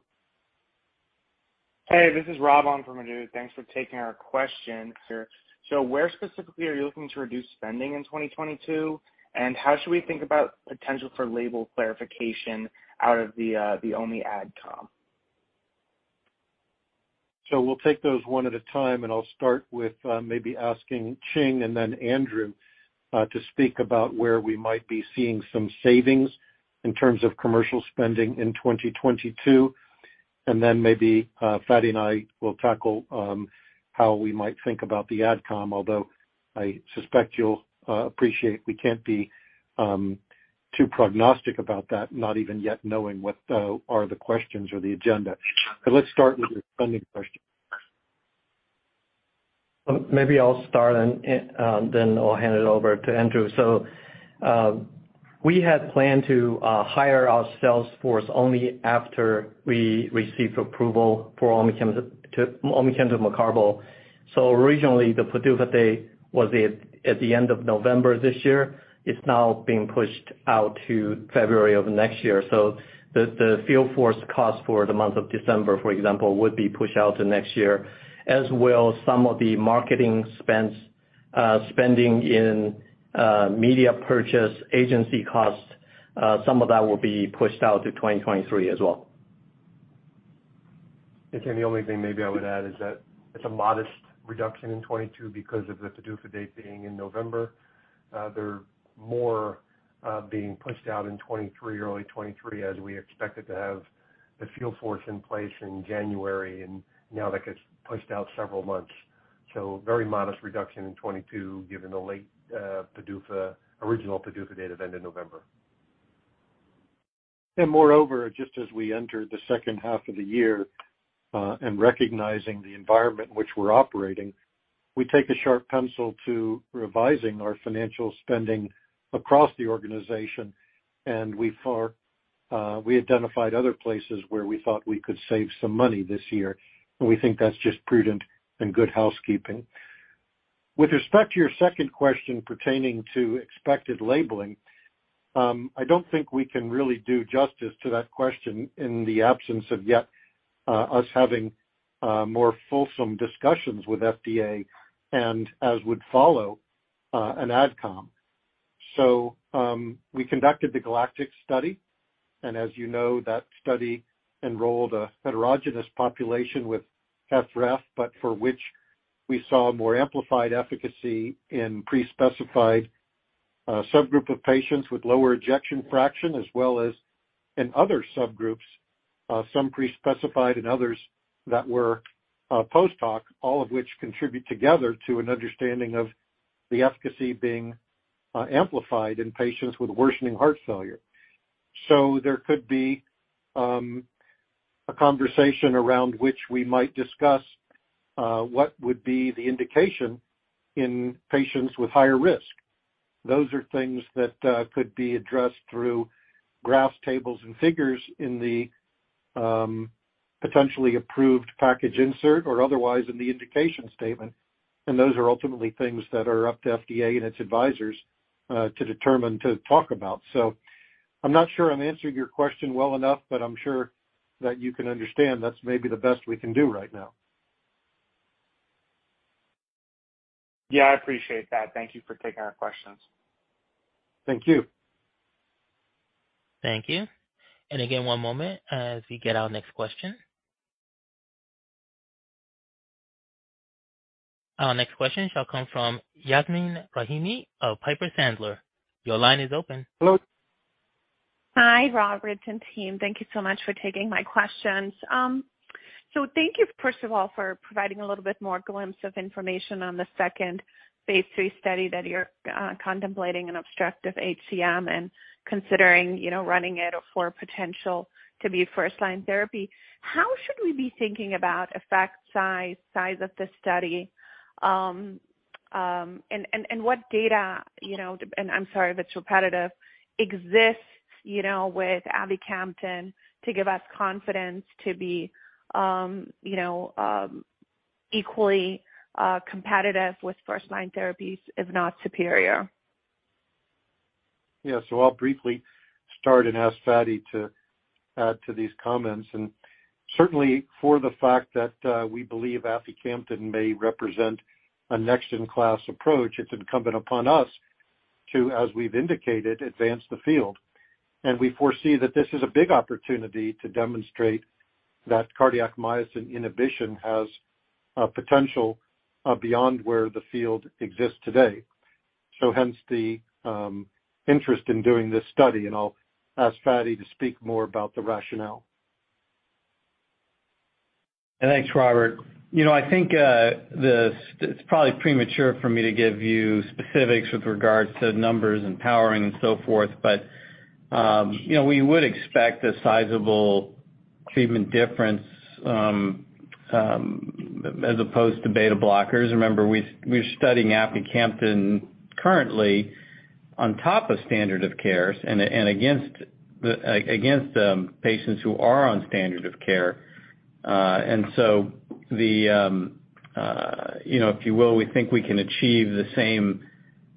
Hey, this is Rob on from Madhu. Thanks for taking our question here. Where specifically are you looking to reduce spending in 2022? And how should we think about potential for label clarification out of the only AdCom? We'll take those one at a time, and I'll start with maybe asking Ching and then Andrew to speak about where we might be seeing some savings in terms of commercial spending in 2022. Then maybe Fady and I will tackle how we might think about the ad com, although I suspect you'll appreciate we can't be too prognostic about that, not even yet knowing what are the questions or the agenda. Let's start with your funding question. Maybe I'll start and then I'll hand it over to Andrew. We had planned to hire our sales force only after we received approval for omecamtiv mecarbil. Originally, the PDUFA date was at the end of November this year. It's now being pushed out to February of next year. The field force cost for the month of December, for example, would be pushed out to next year, as will some of the marketing spends, spending in media purchase, agency costs, some of that will be pushed out to 2023 as well. Tim, the only thing maybe I would add is that it's a modest reduction in 2022 because of the PDUFA date being in November. They're more being pushed out in 2023, early 2023, as we expected to have the field force in place in January, and now that gets pushed out several months. Very modest reduction in 2022 given the late PDUFA, original PDUFA date of end of November. Moreover, just as we enter the second half of the year and recognizing the environment in which we're operating, we take a sharp pencil to revising our financial spending across the organization. We identified other places where we thought we could save some money this year, and we think that's just prudent and good housekeeping. With respect to your second question pertaining to expected labeling, I don't think we can really do justice to that question in the absence of yet us having more fulsome discussions with FDA and as would follow an ad com. We conducted the GALACTIC Study, and as you know, that study enrolled a heterogeneous population with HFrEF, but for which we saw more amplified efficacy in pre-specified subgroup of patients with lower ejection fraction, as well as in other subgroups, some pre-specified and others that were post hoc, all of which contribute together to an understanding of the efficacy being amplified in patients with worsening heart failure. There could be a conversation around which we might discuss what would be the indication in patients with higher risk. Those are things that could be addressed through graphs, tables, and figures in the potentially approved package insert or otherwise in the indication statement. Those are ultimately things that are up to FDA and its advisors to determine to talk about. I'm not sure I'm answering your question well enough, but I'm sure that you can understand that's maybe the best we can do right now. Yeah, I appreciate that. Thank you for taking our questions. Thank you. Thank you. Again, one moment as we get our next question. Our next question shall come from Yasmeen Rahimi of Piper Sandler. Your line is open. Hello. Hi, Robert and team. Thank you so much for taking my questions. Thank you first of all, for providing a little bit more glimpse of information on the second phase III study that you're contemplating in obstructive HCM and considering, you know, running it for potential to be first line therapy. How should we be thinking about effect size of the study, and what data, you know, and I'm sorry if it's repetitive, exists, you know, with aficamten to give us confidence to be, you know, equally competitive with first line therapies, if not superior? Yeah. I'll briefly start and ask Fady to add to these comments. Certainly for the fact that we believe aficamten may represent a next-in-class approach, it's incumbent upon us to, as we've indicated, advance the field. We foresee that this is a big opportunity to demonstrate that cardiac myosin inhibition has a potential beyond where the field exists today. Hence the interest in doing this study. I'll ask Fady to speak more about the rationale. Thanks, Robert. You know, I think it's probably premature for me to give you specifics with regards to numbers and powering and so forth. You know, we would expect a sizable treatment difference as opposed to beta blockers. Remember, we're studying aficamten currently on top of standard of care and against the patients who are on standard of care. You know, if you will, we think we can achieve the same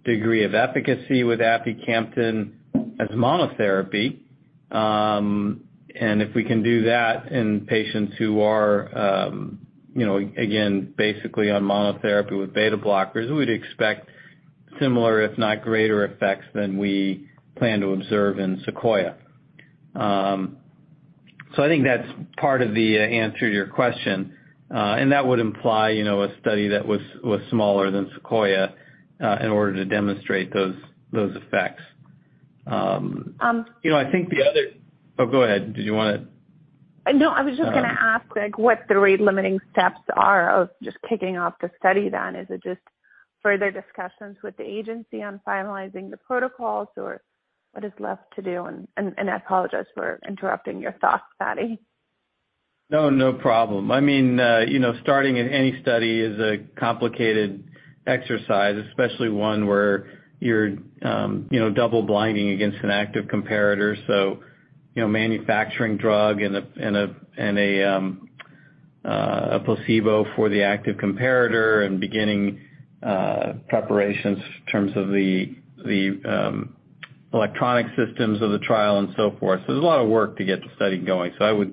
degree of efficacy with aficamten as monotherapy. If we can do that in patients who are, you know, again, basically on monotherapy with beta blockers, we'd expect similar if not greater effects than we plan to observe in SEQUOIA-HCM. I think that's part of the answer to your question. That would imply, you know, a study that was smaller than SEQUOIA-HCM in order to demonstrate those effects. Um- You know, I think the other. Oh, go ahead. Did you wanna? No, I was just gonna ask, like, what the rate limiting steps are of just kicking off the study then. Is it just further discussions with the agency on finalizing the protocols, or what is left to do? I apologize for interrupting your thoughts, Fady. No, no problem. I mean, you know, starting in any study is a complicated exercise, especially one where you're, you know, double blinding against an active comparator. You know, manufacturing drug in a placebo for the active comparator and beginning preparations in terms of the electronic systems of the trial and so forth. There's a lot of work to get the study going. You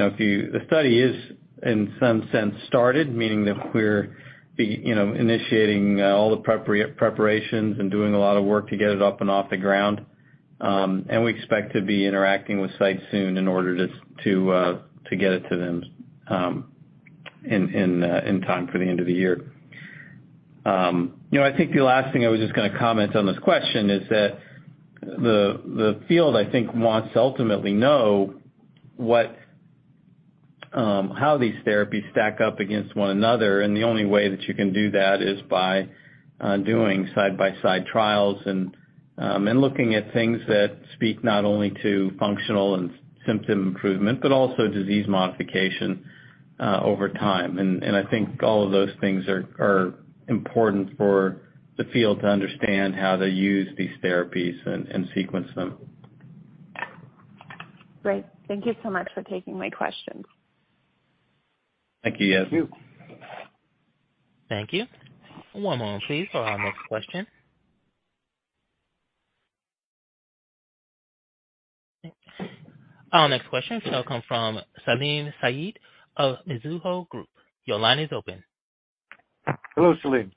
know, if you—The study is in some sense started, meaning that we're, you know, initiating all the preparations and doing a lot of work to get it up and off the ground. We expect to be interacting with site soon in order to to get it to them, in time for the end of the year. You know, I think the last thing I was just gonna comment on this question is that the field, I think, wants to ultimately know how these therapies stack up against one another. The only way that you can do that is by doing side-by-side trials and looking at things that speak not only to functional and symptom improvement, but also disease modification over time. I think all of those things are important for the field to understand how to use these therapies and sequence them. Great. Thank you so much for taking my questions. Thank you, Yasmeen. Thank you. One moment please for our next question. Our next question shall come from Salim Syed of Mizuho Group. Your line is open. Hello, Salim.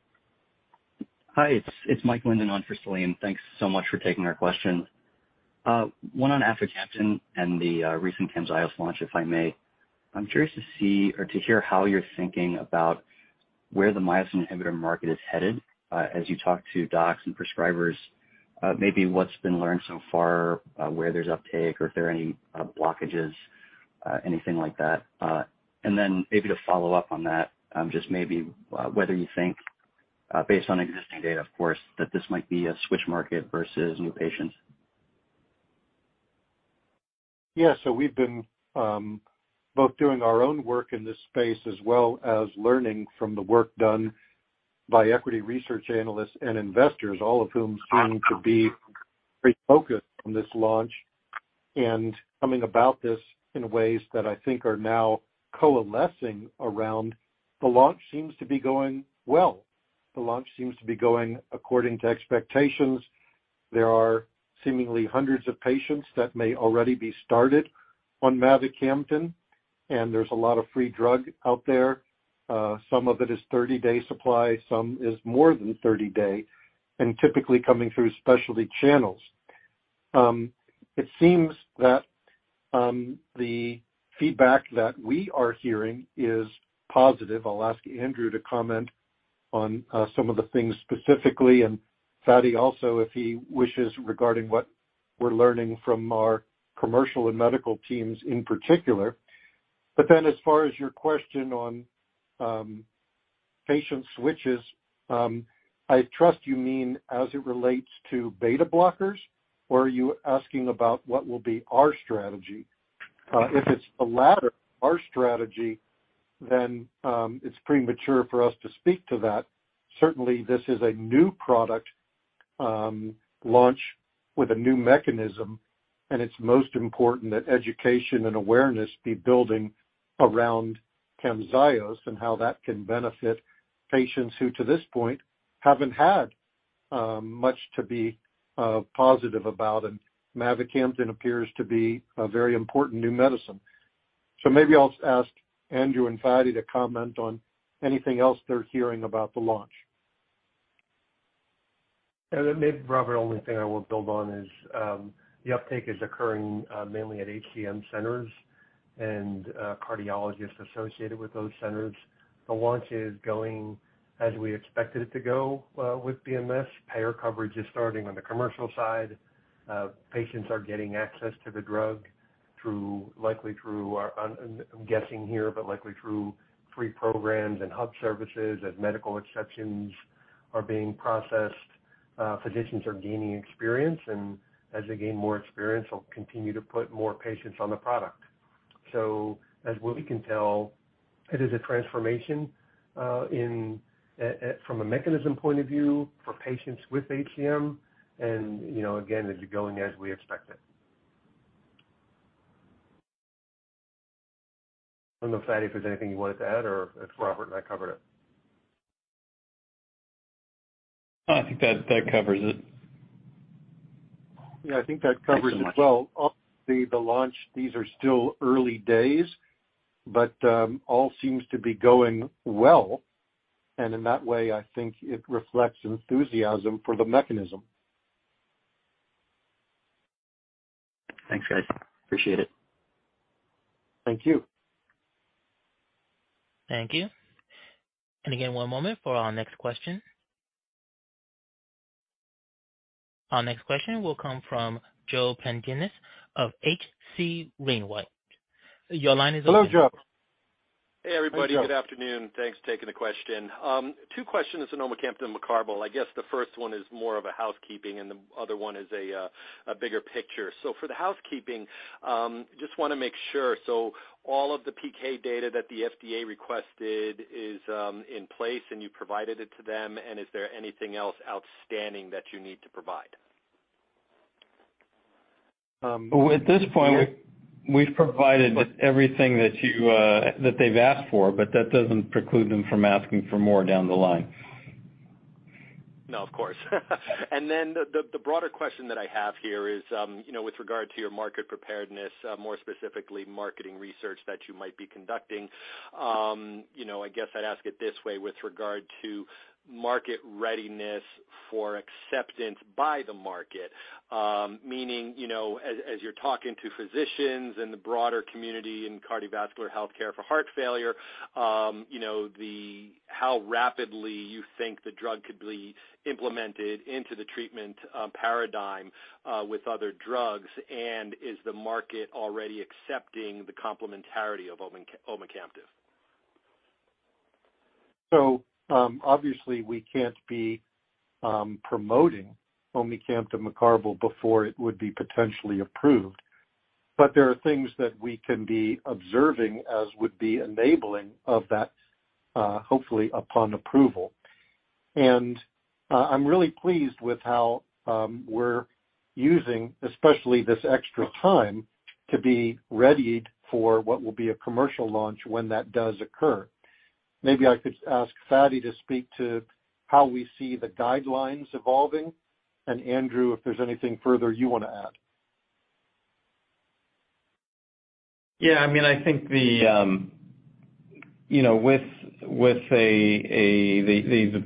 Hi, it's Mike Linden on for Salim. Thanks so much for taking our question. One on aficamten and the recent Camzyos launch, if I may. I'm curious to see or to hear how you're thinking about where the myosin inhibitor market is headed as you talk to docs and prescribers, maybe what's been learned so far, where there's uptake or if there are any blockages, anything like that. To follow up on that, just maybe whether you think based on existing data, of course, that this might be a switch market versus new patients. Yeah. We've been both doing our own work in this space, as well as learning from the work done by equity research analysts and investors, all of whom seem to be pretty focused on this launch and coming about this in ways that I think are now coalescing around. The launch seems to be going well. The launch seems to be going according to expectations. There are seemingly hundreds of patients that may already be started on mavacamten, and there's a lot of free drug out there. Some of it is 30-day supply, some is more than 30-day, and typically coming through specialty channels. It seems that the feedback that we are hearing is positive. I'll ask Andrew to comment on some of the things specifically, and Fady also, if he wishes, regarding what we're learning from our commercial and medical teams in particular. As far as your question on patient switches, I trust you mean as it relates to beta blockers, or are you asking about what will be our strategy? If it's the latter, our strategy, then it's premature for us to speak to that. Certainly, this is a new product launch with a new mechanism, and it's most important that education and awareness be building around Camzyos and how that can benefit patients who, to this point, haven't had much to be positive about. Mavacamten appears to be a very important new medicine. Maybe I'll ask Andrew and Fady to comment on anything else they're hearing about the launch. Yeah. Maybe, Robert, only thing I will build on is the uptake is occurring mainly at HCM centers and cardiologists associated with those centers. The launch is going as we expected it to go with BMS. Payer coverage is starting on the commercial side. Patients are getting access to the drug, likely through free programs and hub services as medical exceptions are being processed. Physicians are gaining experience, and as they gain more experience, they'll continue to put more patients on the product. From what we can tell, it is a transformation from a mechanism point of view for patients with HCM and, you know, again, it is going as we expected. I don't know, Fady, if there's anything you wanted to add or if Robert and I covered it. I think that covers it. Yeah, I think that covers it well. Thanks so much. Obviously, the launch, these are still early days, but, all seems to be going well. In that way, I think it reflects enthusiasm for the mechanism. Thanks, guys. Appreciate it. Thank you. Thank you. Again, one moment for our next question. Our next question will come from Joseph Pantginis of H.C. Wainwright & Co. Your line is open. Hey everybody. Good afternoon. Thanks for taking the question. Two questions on omecamtiv mecarbil. I guess the first one is more of a housekeeping and the other one is a bigger picture. For the housekeeping, just wanna make sure. All of the PK data that the FDA requested is in place, and you provided it to them, and is there anything else outstanding that you need to provide? Well, at this point, we've provided everything that they've asked for, but that doesn't preclude them from asking for more down the line. No, of course. The broader question that I have here is, you know, with regard to your market preparedness, more specifically marketing research that you might be conducting. You know, I guess I'd ask it this way with regard to market readiness for acceptance by the market, meaning, you know, as you're talking to physicians and the broader community in cardiovascular health care for heart failure, you know, how rapidly you think the drug could be implemented into the treatment paradigm, with other drugs, and is the market already accepting the complementarity of omecamtiv? Obviously we can't be promoting omecamtiv mecarbil before it would be potentially approved. There are things that we can be observing as would be enabling of that, hopefully upon approval. I'm really pleased with how we're using especially this extra time to be readied for what will be a commercial launch when that does occur. Maybe I could ask Fady to speak to how we see the guidelines evolving, and Andrew, if there's anything further you wanna add. Yeah, I mean, I think you know the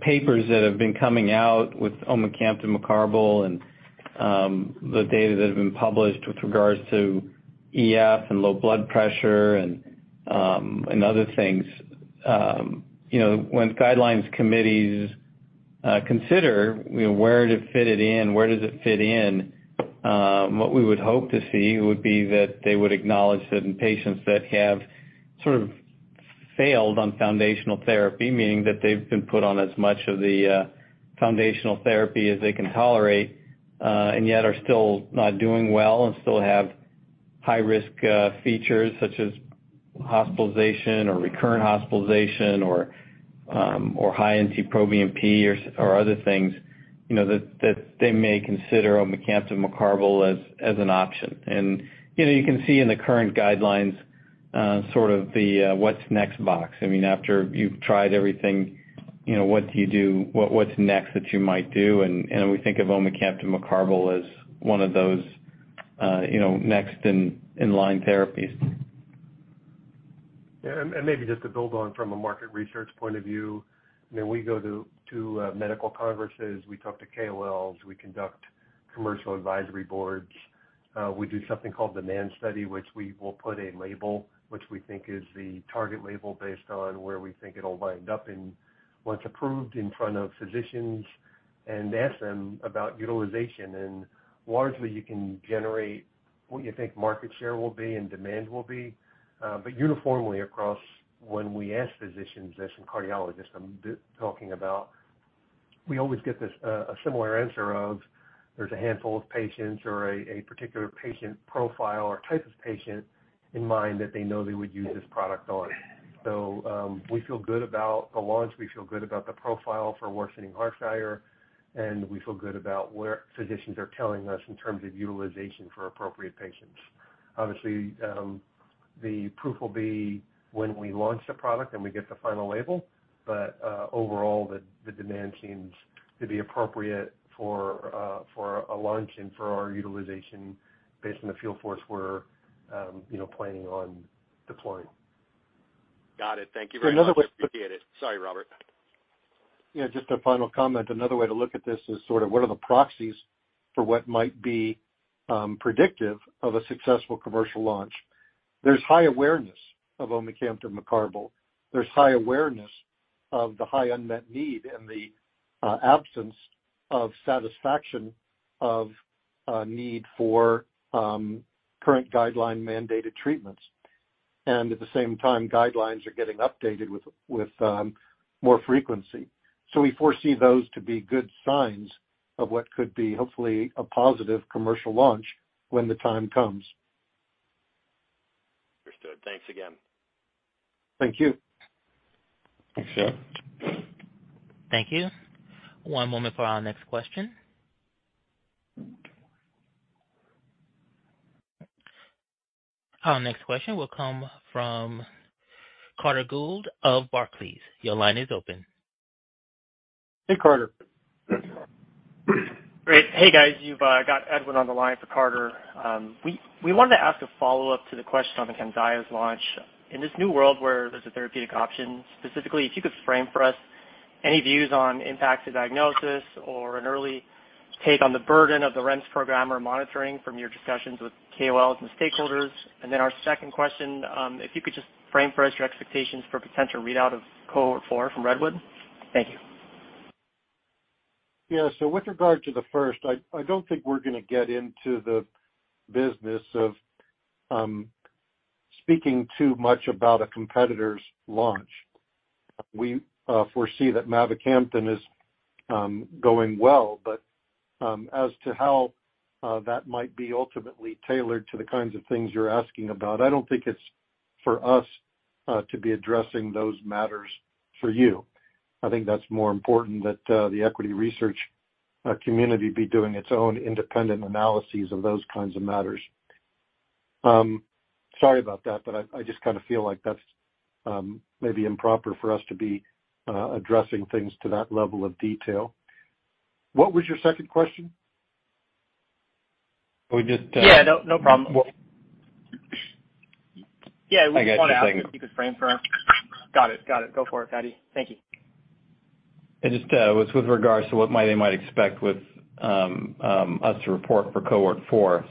papers that have been coming out with omecamtiv mecarbil and the data that have been published with regards to EF and low blood pressure and other things. You know, when guidelines committees consider you know where to fit it in, where does it fit in, what we would hope to see would be that they would acknowledge that in patients that have sort of failed on foundational therapy, meaning that they've been put on as much of the foundational therapy as they can tolerate and yet are still not doing well and still have high risk features such as hospitalization or recurrent hospitalization or high NT-proBNP or other things, you know, that they may consider omecamtiv mecarbil as an option. You know, you can see in the current guidelines sort of the what's next box. I mean, after you've tried everything, you know, what do you do? What's next that you might do? We think of omecamtiv mecarbil as one of those, you know, next in line therapies. Yeah. Maybe just to build on from a market research point of view, you know, we go to medical congresses. We talk to KOLs, we conduct commercial advisory boards. We do something called demand study, which we will put a label, which we think is the target label based on where we think it'll wind up and once approved in front of physicians and ask them about utilization. Largely you can generate what you think market share will be and demand will be. Uniformly across when we ask physicians this, and cardiologists I'm talking about, we always get this, a similar answer of there's a handful of patients or a particular patient profile or type of patient in mind that they know they would use this product on. We feel good about the launch. We feel good about the profile for worsening heart failure, and we feel good about where physicians are telling us in terms of utilization for appropriate patients. Obviously, the proof will be when we launch the product, and we get the final label, but, overall the demand seems to be appropriate for a launch and for our utilization based on the field force we're, you know, planning on deploying. Got it. Thank you very much. Another way. Appreciate it. Sorry, Robert. Yeah, just a final comment. Another way to look at this is sort of what are the proxies for what might be predictive of a successful commercial launch. There's high awareness of omecamtiv mecarbil. There's high awareness of the high unmet need and the absence of satisfaction of need for current guideline-mandated treatments. At the same time, guidelines are getting updated with more frequency. We foresee those to be good signs of what could be hopefully a positive commercial launch when the time comes. Understood. Thanks again. Thank you. Thanks, Joe. Thank you. One moment for our next question. Our next question will come from Carter Gould of Barclays. Your line is open. Hey, Carter. Great. Hey, guys. You've got Edwin on the line for Carter. We wanted to ask a follow-up to the question on the Camzyos launch. In this new world where there's a therapeutic option, specifically, if you could frame for us any views on impact to diagnosis or an early take on the burden of the REMS program or monitoring from your discussions with KOLs and stakeholders. Our second question, if you could just frame for us your expectations for potential readout of Cohort 4 from Redwood. Thank you. Yeah. With regard to the first, I don't think we're gonna get into the business of speaking too much about a competitor's launch. We foresee that mavacamten is going well, but as to how that might be ultimately tailored to the kinds of things you're asking about, I don't think it's for us to be addressing those matters for you. I think that's more important that the equity research community be doing its own independent analyses of those kinds of matters. Sorry about that, but I just kinda feel like that's maybe improper for us to be addressing things to that level of detail. What was your second question? Or we just Yeah. No, no problem. W- Yeah. We just wanna ask. I got you. Hang on. Got it. Go for it, Fady. Thank you. I just with regards to what they might expect with us to report for cohort 4.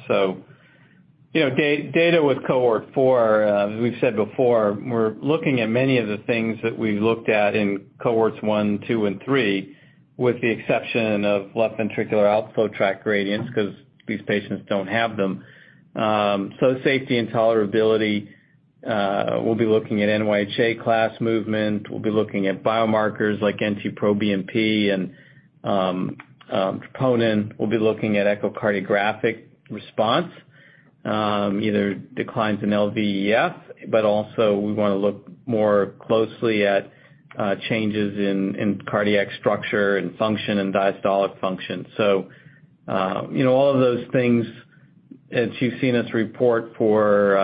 You know, data with cohort 4, as we've said before, we're looking at many of the things that we looked at in cohorts 1, 2, and 3, with the exception of left ventricular outflow tract gradients 'cause these patients don't have them. Safety and tolerability, we'll be looking at NYHA class movement. We'll be looking at biomarkers like NT-proBNP and troponin. We'll be looking at echocardiographic response, either declines in LVEF, but also we wanna look more closely at changes in cardiac structure and function and diastolic function. You know, all of those things, as you've seen us report for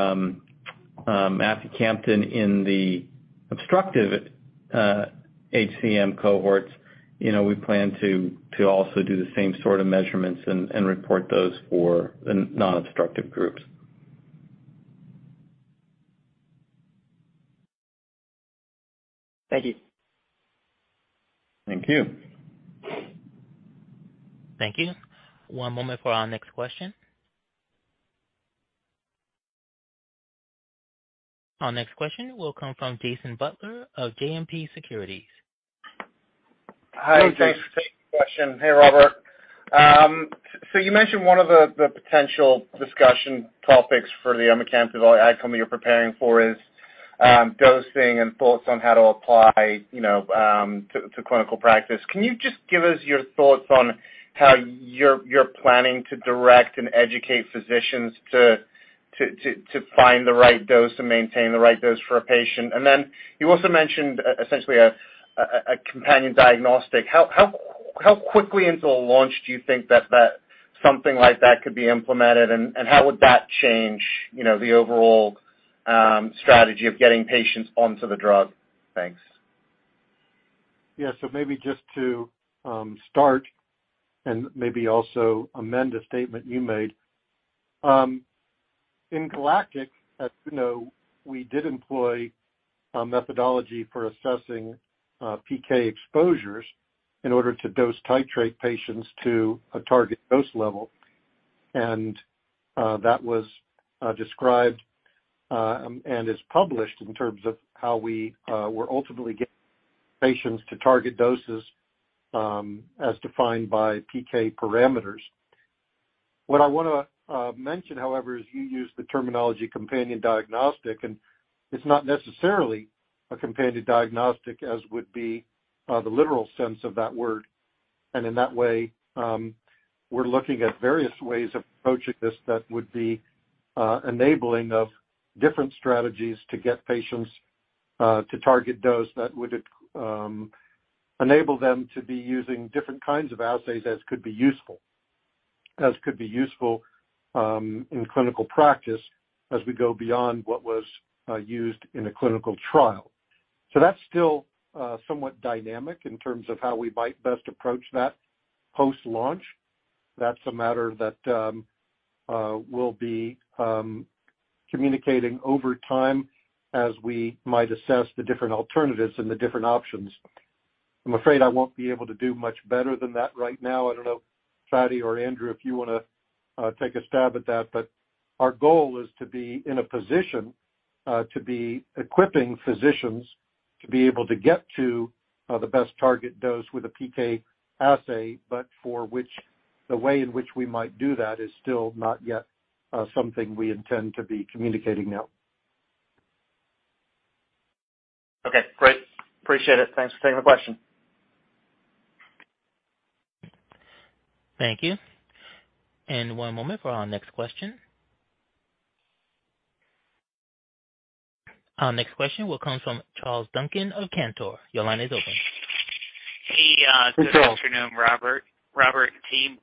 mavacamten in the obstructive HCM cohorts, you know, we plan to also do the same sort of measurements and report those for the non-obstructive groups. Thank you. Thank you. Thank you. One moment for our next question. Our next question will come from Jason Butler of JMP Securities. Hi, Jason. Hey. Thanks for taking the question. Hey, Robert. So you mentioned one of the potential discussion topics for the omecamtiv mecarbil outcome you're preparing for is dosing and thoughts on how to apply, you know, to clinical practice. Can you just give us your thoughts on how you're planning to direct and educate physicians to find the right dose and maintain the right dose for a patient? And then you also mentioned essentially a companion diagnostic. How quickly into a launch do you think that something like that could be implemented? And how would that change, you know, the overall strategy of getting patients onto the drug? Thanks. Yeah. Maybe just to start and maybe also amend a statement you made. In GALACTIC, as you know, we did employ a methodology for assessing PK exposures in order to dose titrate patients to a target dose level. That was described and is published in terms of how we were ultimately getting patients to target doses as defined by PK parameters. What I wanna mention, however, is you used the terminology companion diagnostic, and it's not necessarily a companion diagnostic as would be the literal sense of that word. In that way, we're looking at various ways of approaching this that would be enabling of different strategies to get patients to target dose that would enable them to be using different kinds of assays as could be useful in clinical practice as we go beyond what was used in a clinical trial. That's still somewhat dynamic in terms of how we might best approach that post-launch. That's a matter that we'll be communicating over time as we might assess the different alternatives and the different options. I'm afraid I won't be able to do much better than that right now. I don't know, Fady or Andrew, if you wanna take a stab at that. Our goal is to be in a position, to be equipping physicians to be able to get to, the best target dose with a PK assay, but for which the way in which we might do that is still not yet, something we intend to be communicating now. Okay. Great. Appreciate it. Thanks for taking the question. Thank you. One moment for our next question. Our next question will come from Charles Duncan of Cantor. Your line is open. Hey, Charles. Hey, good afternoon, Robert and team.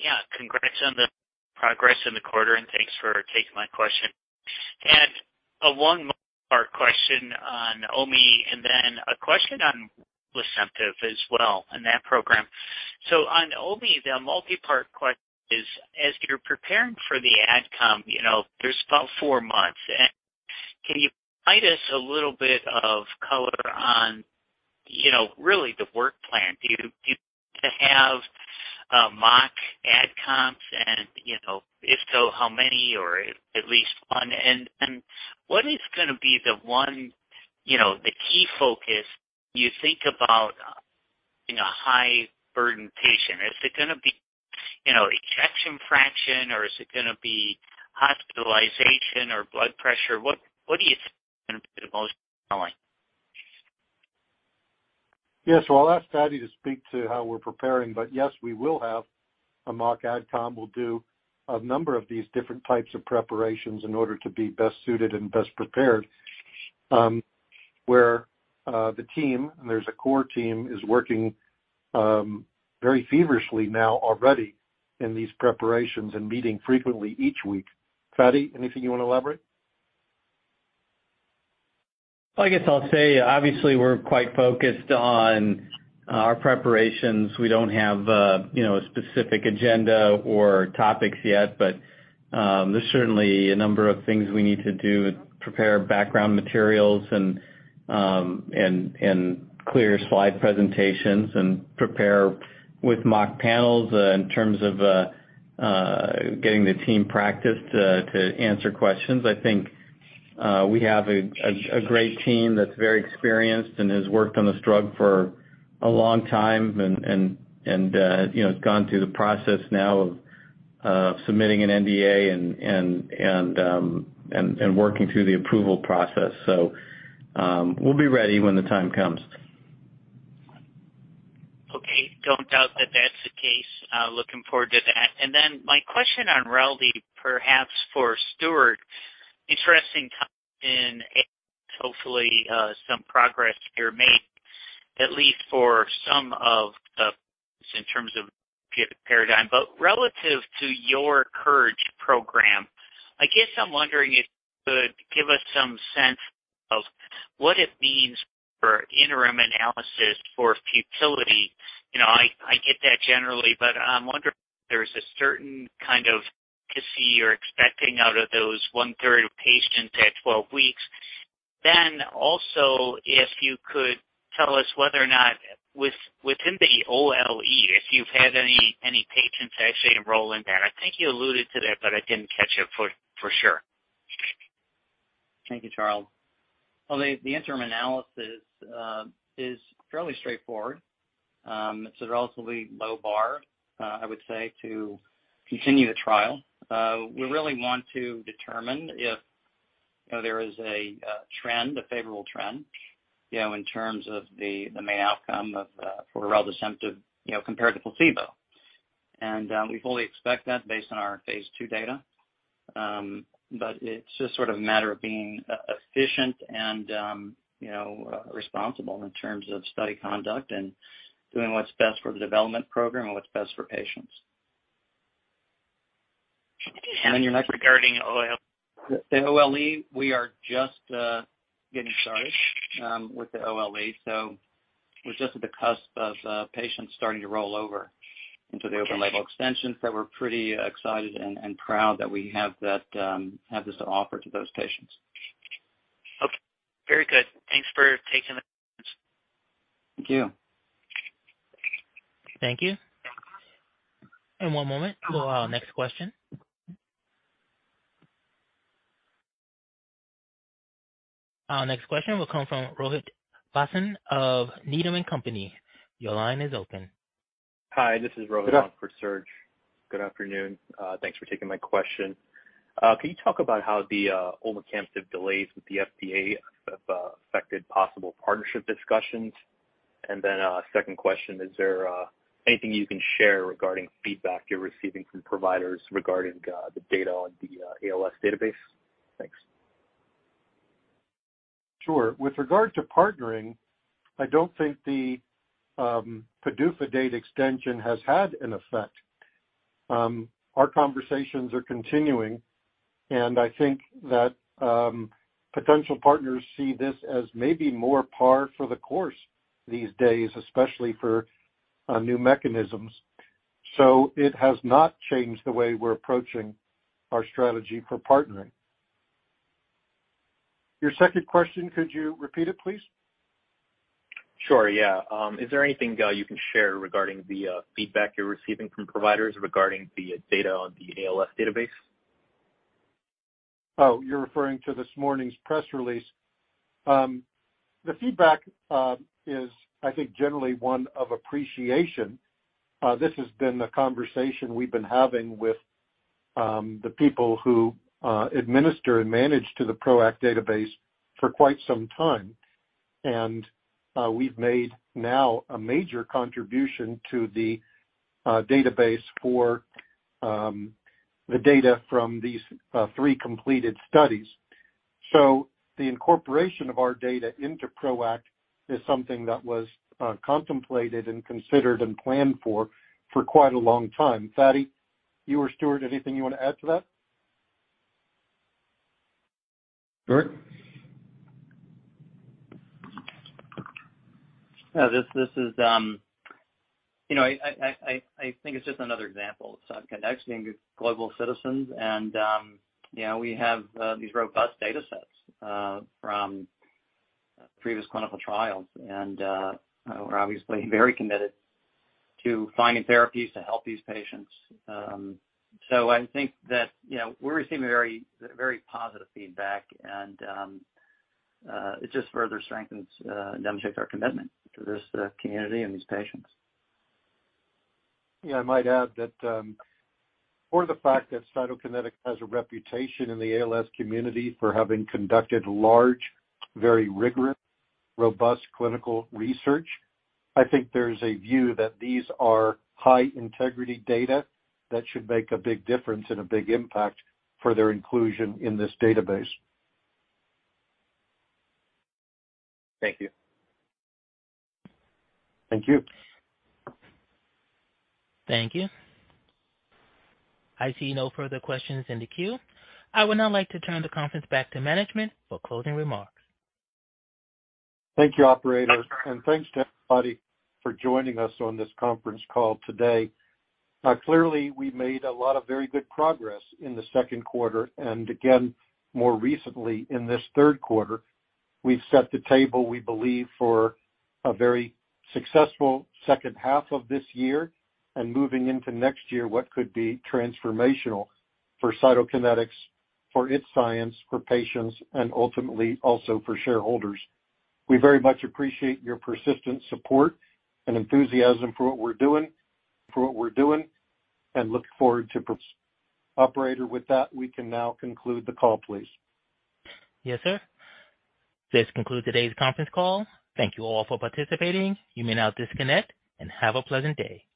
Yeah, congrats on the progress in the quarter, and thanks for taking my question. Had a long multi-part question on OMI and then a question on reldesemtiv as well and that program. So on OMI, the multi-part question is, as you're preparing for the outcome, you know, there's about 4 months. Can you provide us a little bit of color on, you know, really the work plan? Do you plan to have mock adcoms and, you know, if so, how many or at least 1. And what is gonna be the one, you know, the key focus you think about in a high-burden patient? Is it gonna be, you know, ejection fraction or is it gonna be hospitalization or blood pressure? What do you think is gonna be the most compelling? Yes. I'll ask Fady to speak to how we're preparing, but yes, we will have a mock ad com. We'll do a number of these different types of preparations in order to be best suited and best prepared, where the team, and there's a core team, is working very feverishly now already in these preparations and meeting frequently each week. Fady, anything you wanna elaborate? I guess I'll say, obviously, we're quite focused on our preparations. We don't have, you know, a specific agenda or topics yet, but there's certainly a number of things we need to do to prepare background materials and clear slide presentations and prepare with mock panels, in terms of getting the team practice to answer questions. I think we have a great team that's very experienced and has worked on this drug for a long time and, you know, has gone through the process now of submitting an NDA and working through the approval process. We'll be ready when the time comes. Okay. Don't doubt that that's the case. Looking forward to that. Then my question on reldesemtiv, perhaps for Stuart. Interesting, in hopefully some progress here made, at least for some of them in terms of paradigm. Relative to your COURAGE-ALS program, I guess I'm wondering if you could give us some sense of what it means for interim analysis for futility. I get that generally, but I'm wondering if there's a certain kind of outcome you're expecting out of those one-third of patients at 12 weeks. Then also, if you could tell us whether or not within the OLE, if you've had any patients actually enroll in that. I think you alluded to that, but I didn't catch it for sure. Thank you, Charles. Well, the interim analysis is fairly straightforward. It's a relatively low bar, I would say, to continue the trial. We really want to determine if, you know, there is a trend, a favorable trend, you know, in terms of the main outcome for reldesemtiv, you know, compared to placebo. We fully expect that based on our phase two data. It's just sort of a matter of being efficient and, you know, responsible in terms of study conduct and doing what's best for the development program and what's best for patients. Regarding OLE. The OLE, we are just getting started with the OLE, so we're just at the cusp of patients starting to roll over into the open label extensions that we're pretty excited and proud that we have this to offer to those patients. Okay. Very good. Thanks for taking the questions. Thank you. Thank you. One moment for our next question. Our next question will come from Rohit Basu of Needham & Company. Your line is open. Hi, this is Rohit. Hello. For Serge Belanger. Good afternoon. Thanks for taking my question. Can you talk about how the omecamtiv delays with the FDA have affected possible partnership discussions? Second question, is there anything you can share regarding feedback you're receiving from providers regarding the data on the ALS database? Thanks. Sure. With regard to partnering, I don't think the PDUFA date extension has had an effect. Our conversations are continuing, and I think that potential partners see this as maybe more par for the course these days, especially for new mechanisms. It has not changed the way we're approaching our strategy for partnering. Your second question, could you repeat it, please? Sure. Yeah. Is there anything you can share regarding the feedback you're receiving from providers regarding the data on the ALS database? Oh, you're referring to this morning's press release. The feedback is, I think, generally one of appreciation. This has been the conversation we've been having with the people who administer and manage the PRO-ACT database for quite some time. We've made now a major contribution to the database for the data from these three completed studies. The incorporation of our data into PRO-ACT is something that was contemplated and considered and planned for quite a long time. Fady, you or Stuart, anything you wanna add to that? Stuart? Yeah, this is. You know, I think it's just another example of Cytokinetics being global citizens and, you know, we have these robust datasets from previous clinical trials. We're obviously very committed to finding therapies to help these patients. I think that, you know, we're receiving very, very positive feedback, and it just further demonstrates our commitment to this community and these patients. Yeah, I might add that, for the fact that Cytokinetics has a reputation in the ALS community for having conducted large, very rigorous, robust clinical research, I think there's a view that these are high integrity data that should make a big difference and a big impact for their inclusion in this database. Thank you. Thank you. Thank you. I see no further questions in the queue. I would now like to turn the conference back to management for closing remarks. Thank you, operator. Thanks to everybody for joining us on this conference call today. Clearly, we made a lot of very good progress in the second quarter. Again, more recently in this third quarter, we've set the table, we believe, for a very successful second half of this year and moving into next year, what could be transformational for Cytokinetics, for its science, for patients, and ultimately also for shareholders. We very much appreciate your persistent support and enthusiasm for what we're doing, and look forward to. Operator, with that, we can now conclude the call, please. Yes, sir. This concludes today's conference call. Thank you all for participating. You may now disconnect and have a pleasant day.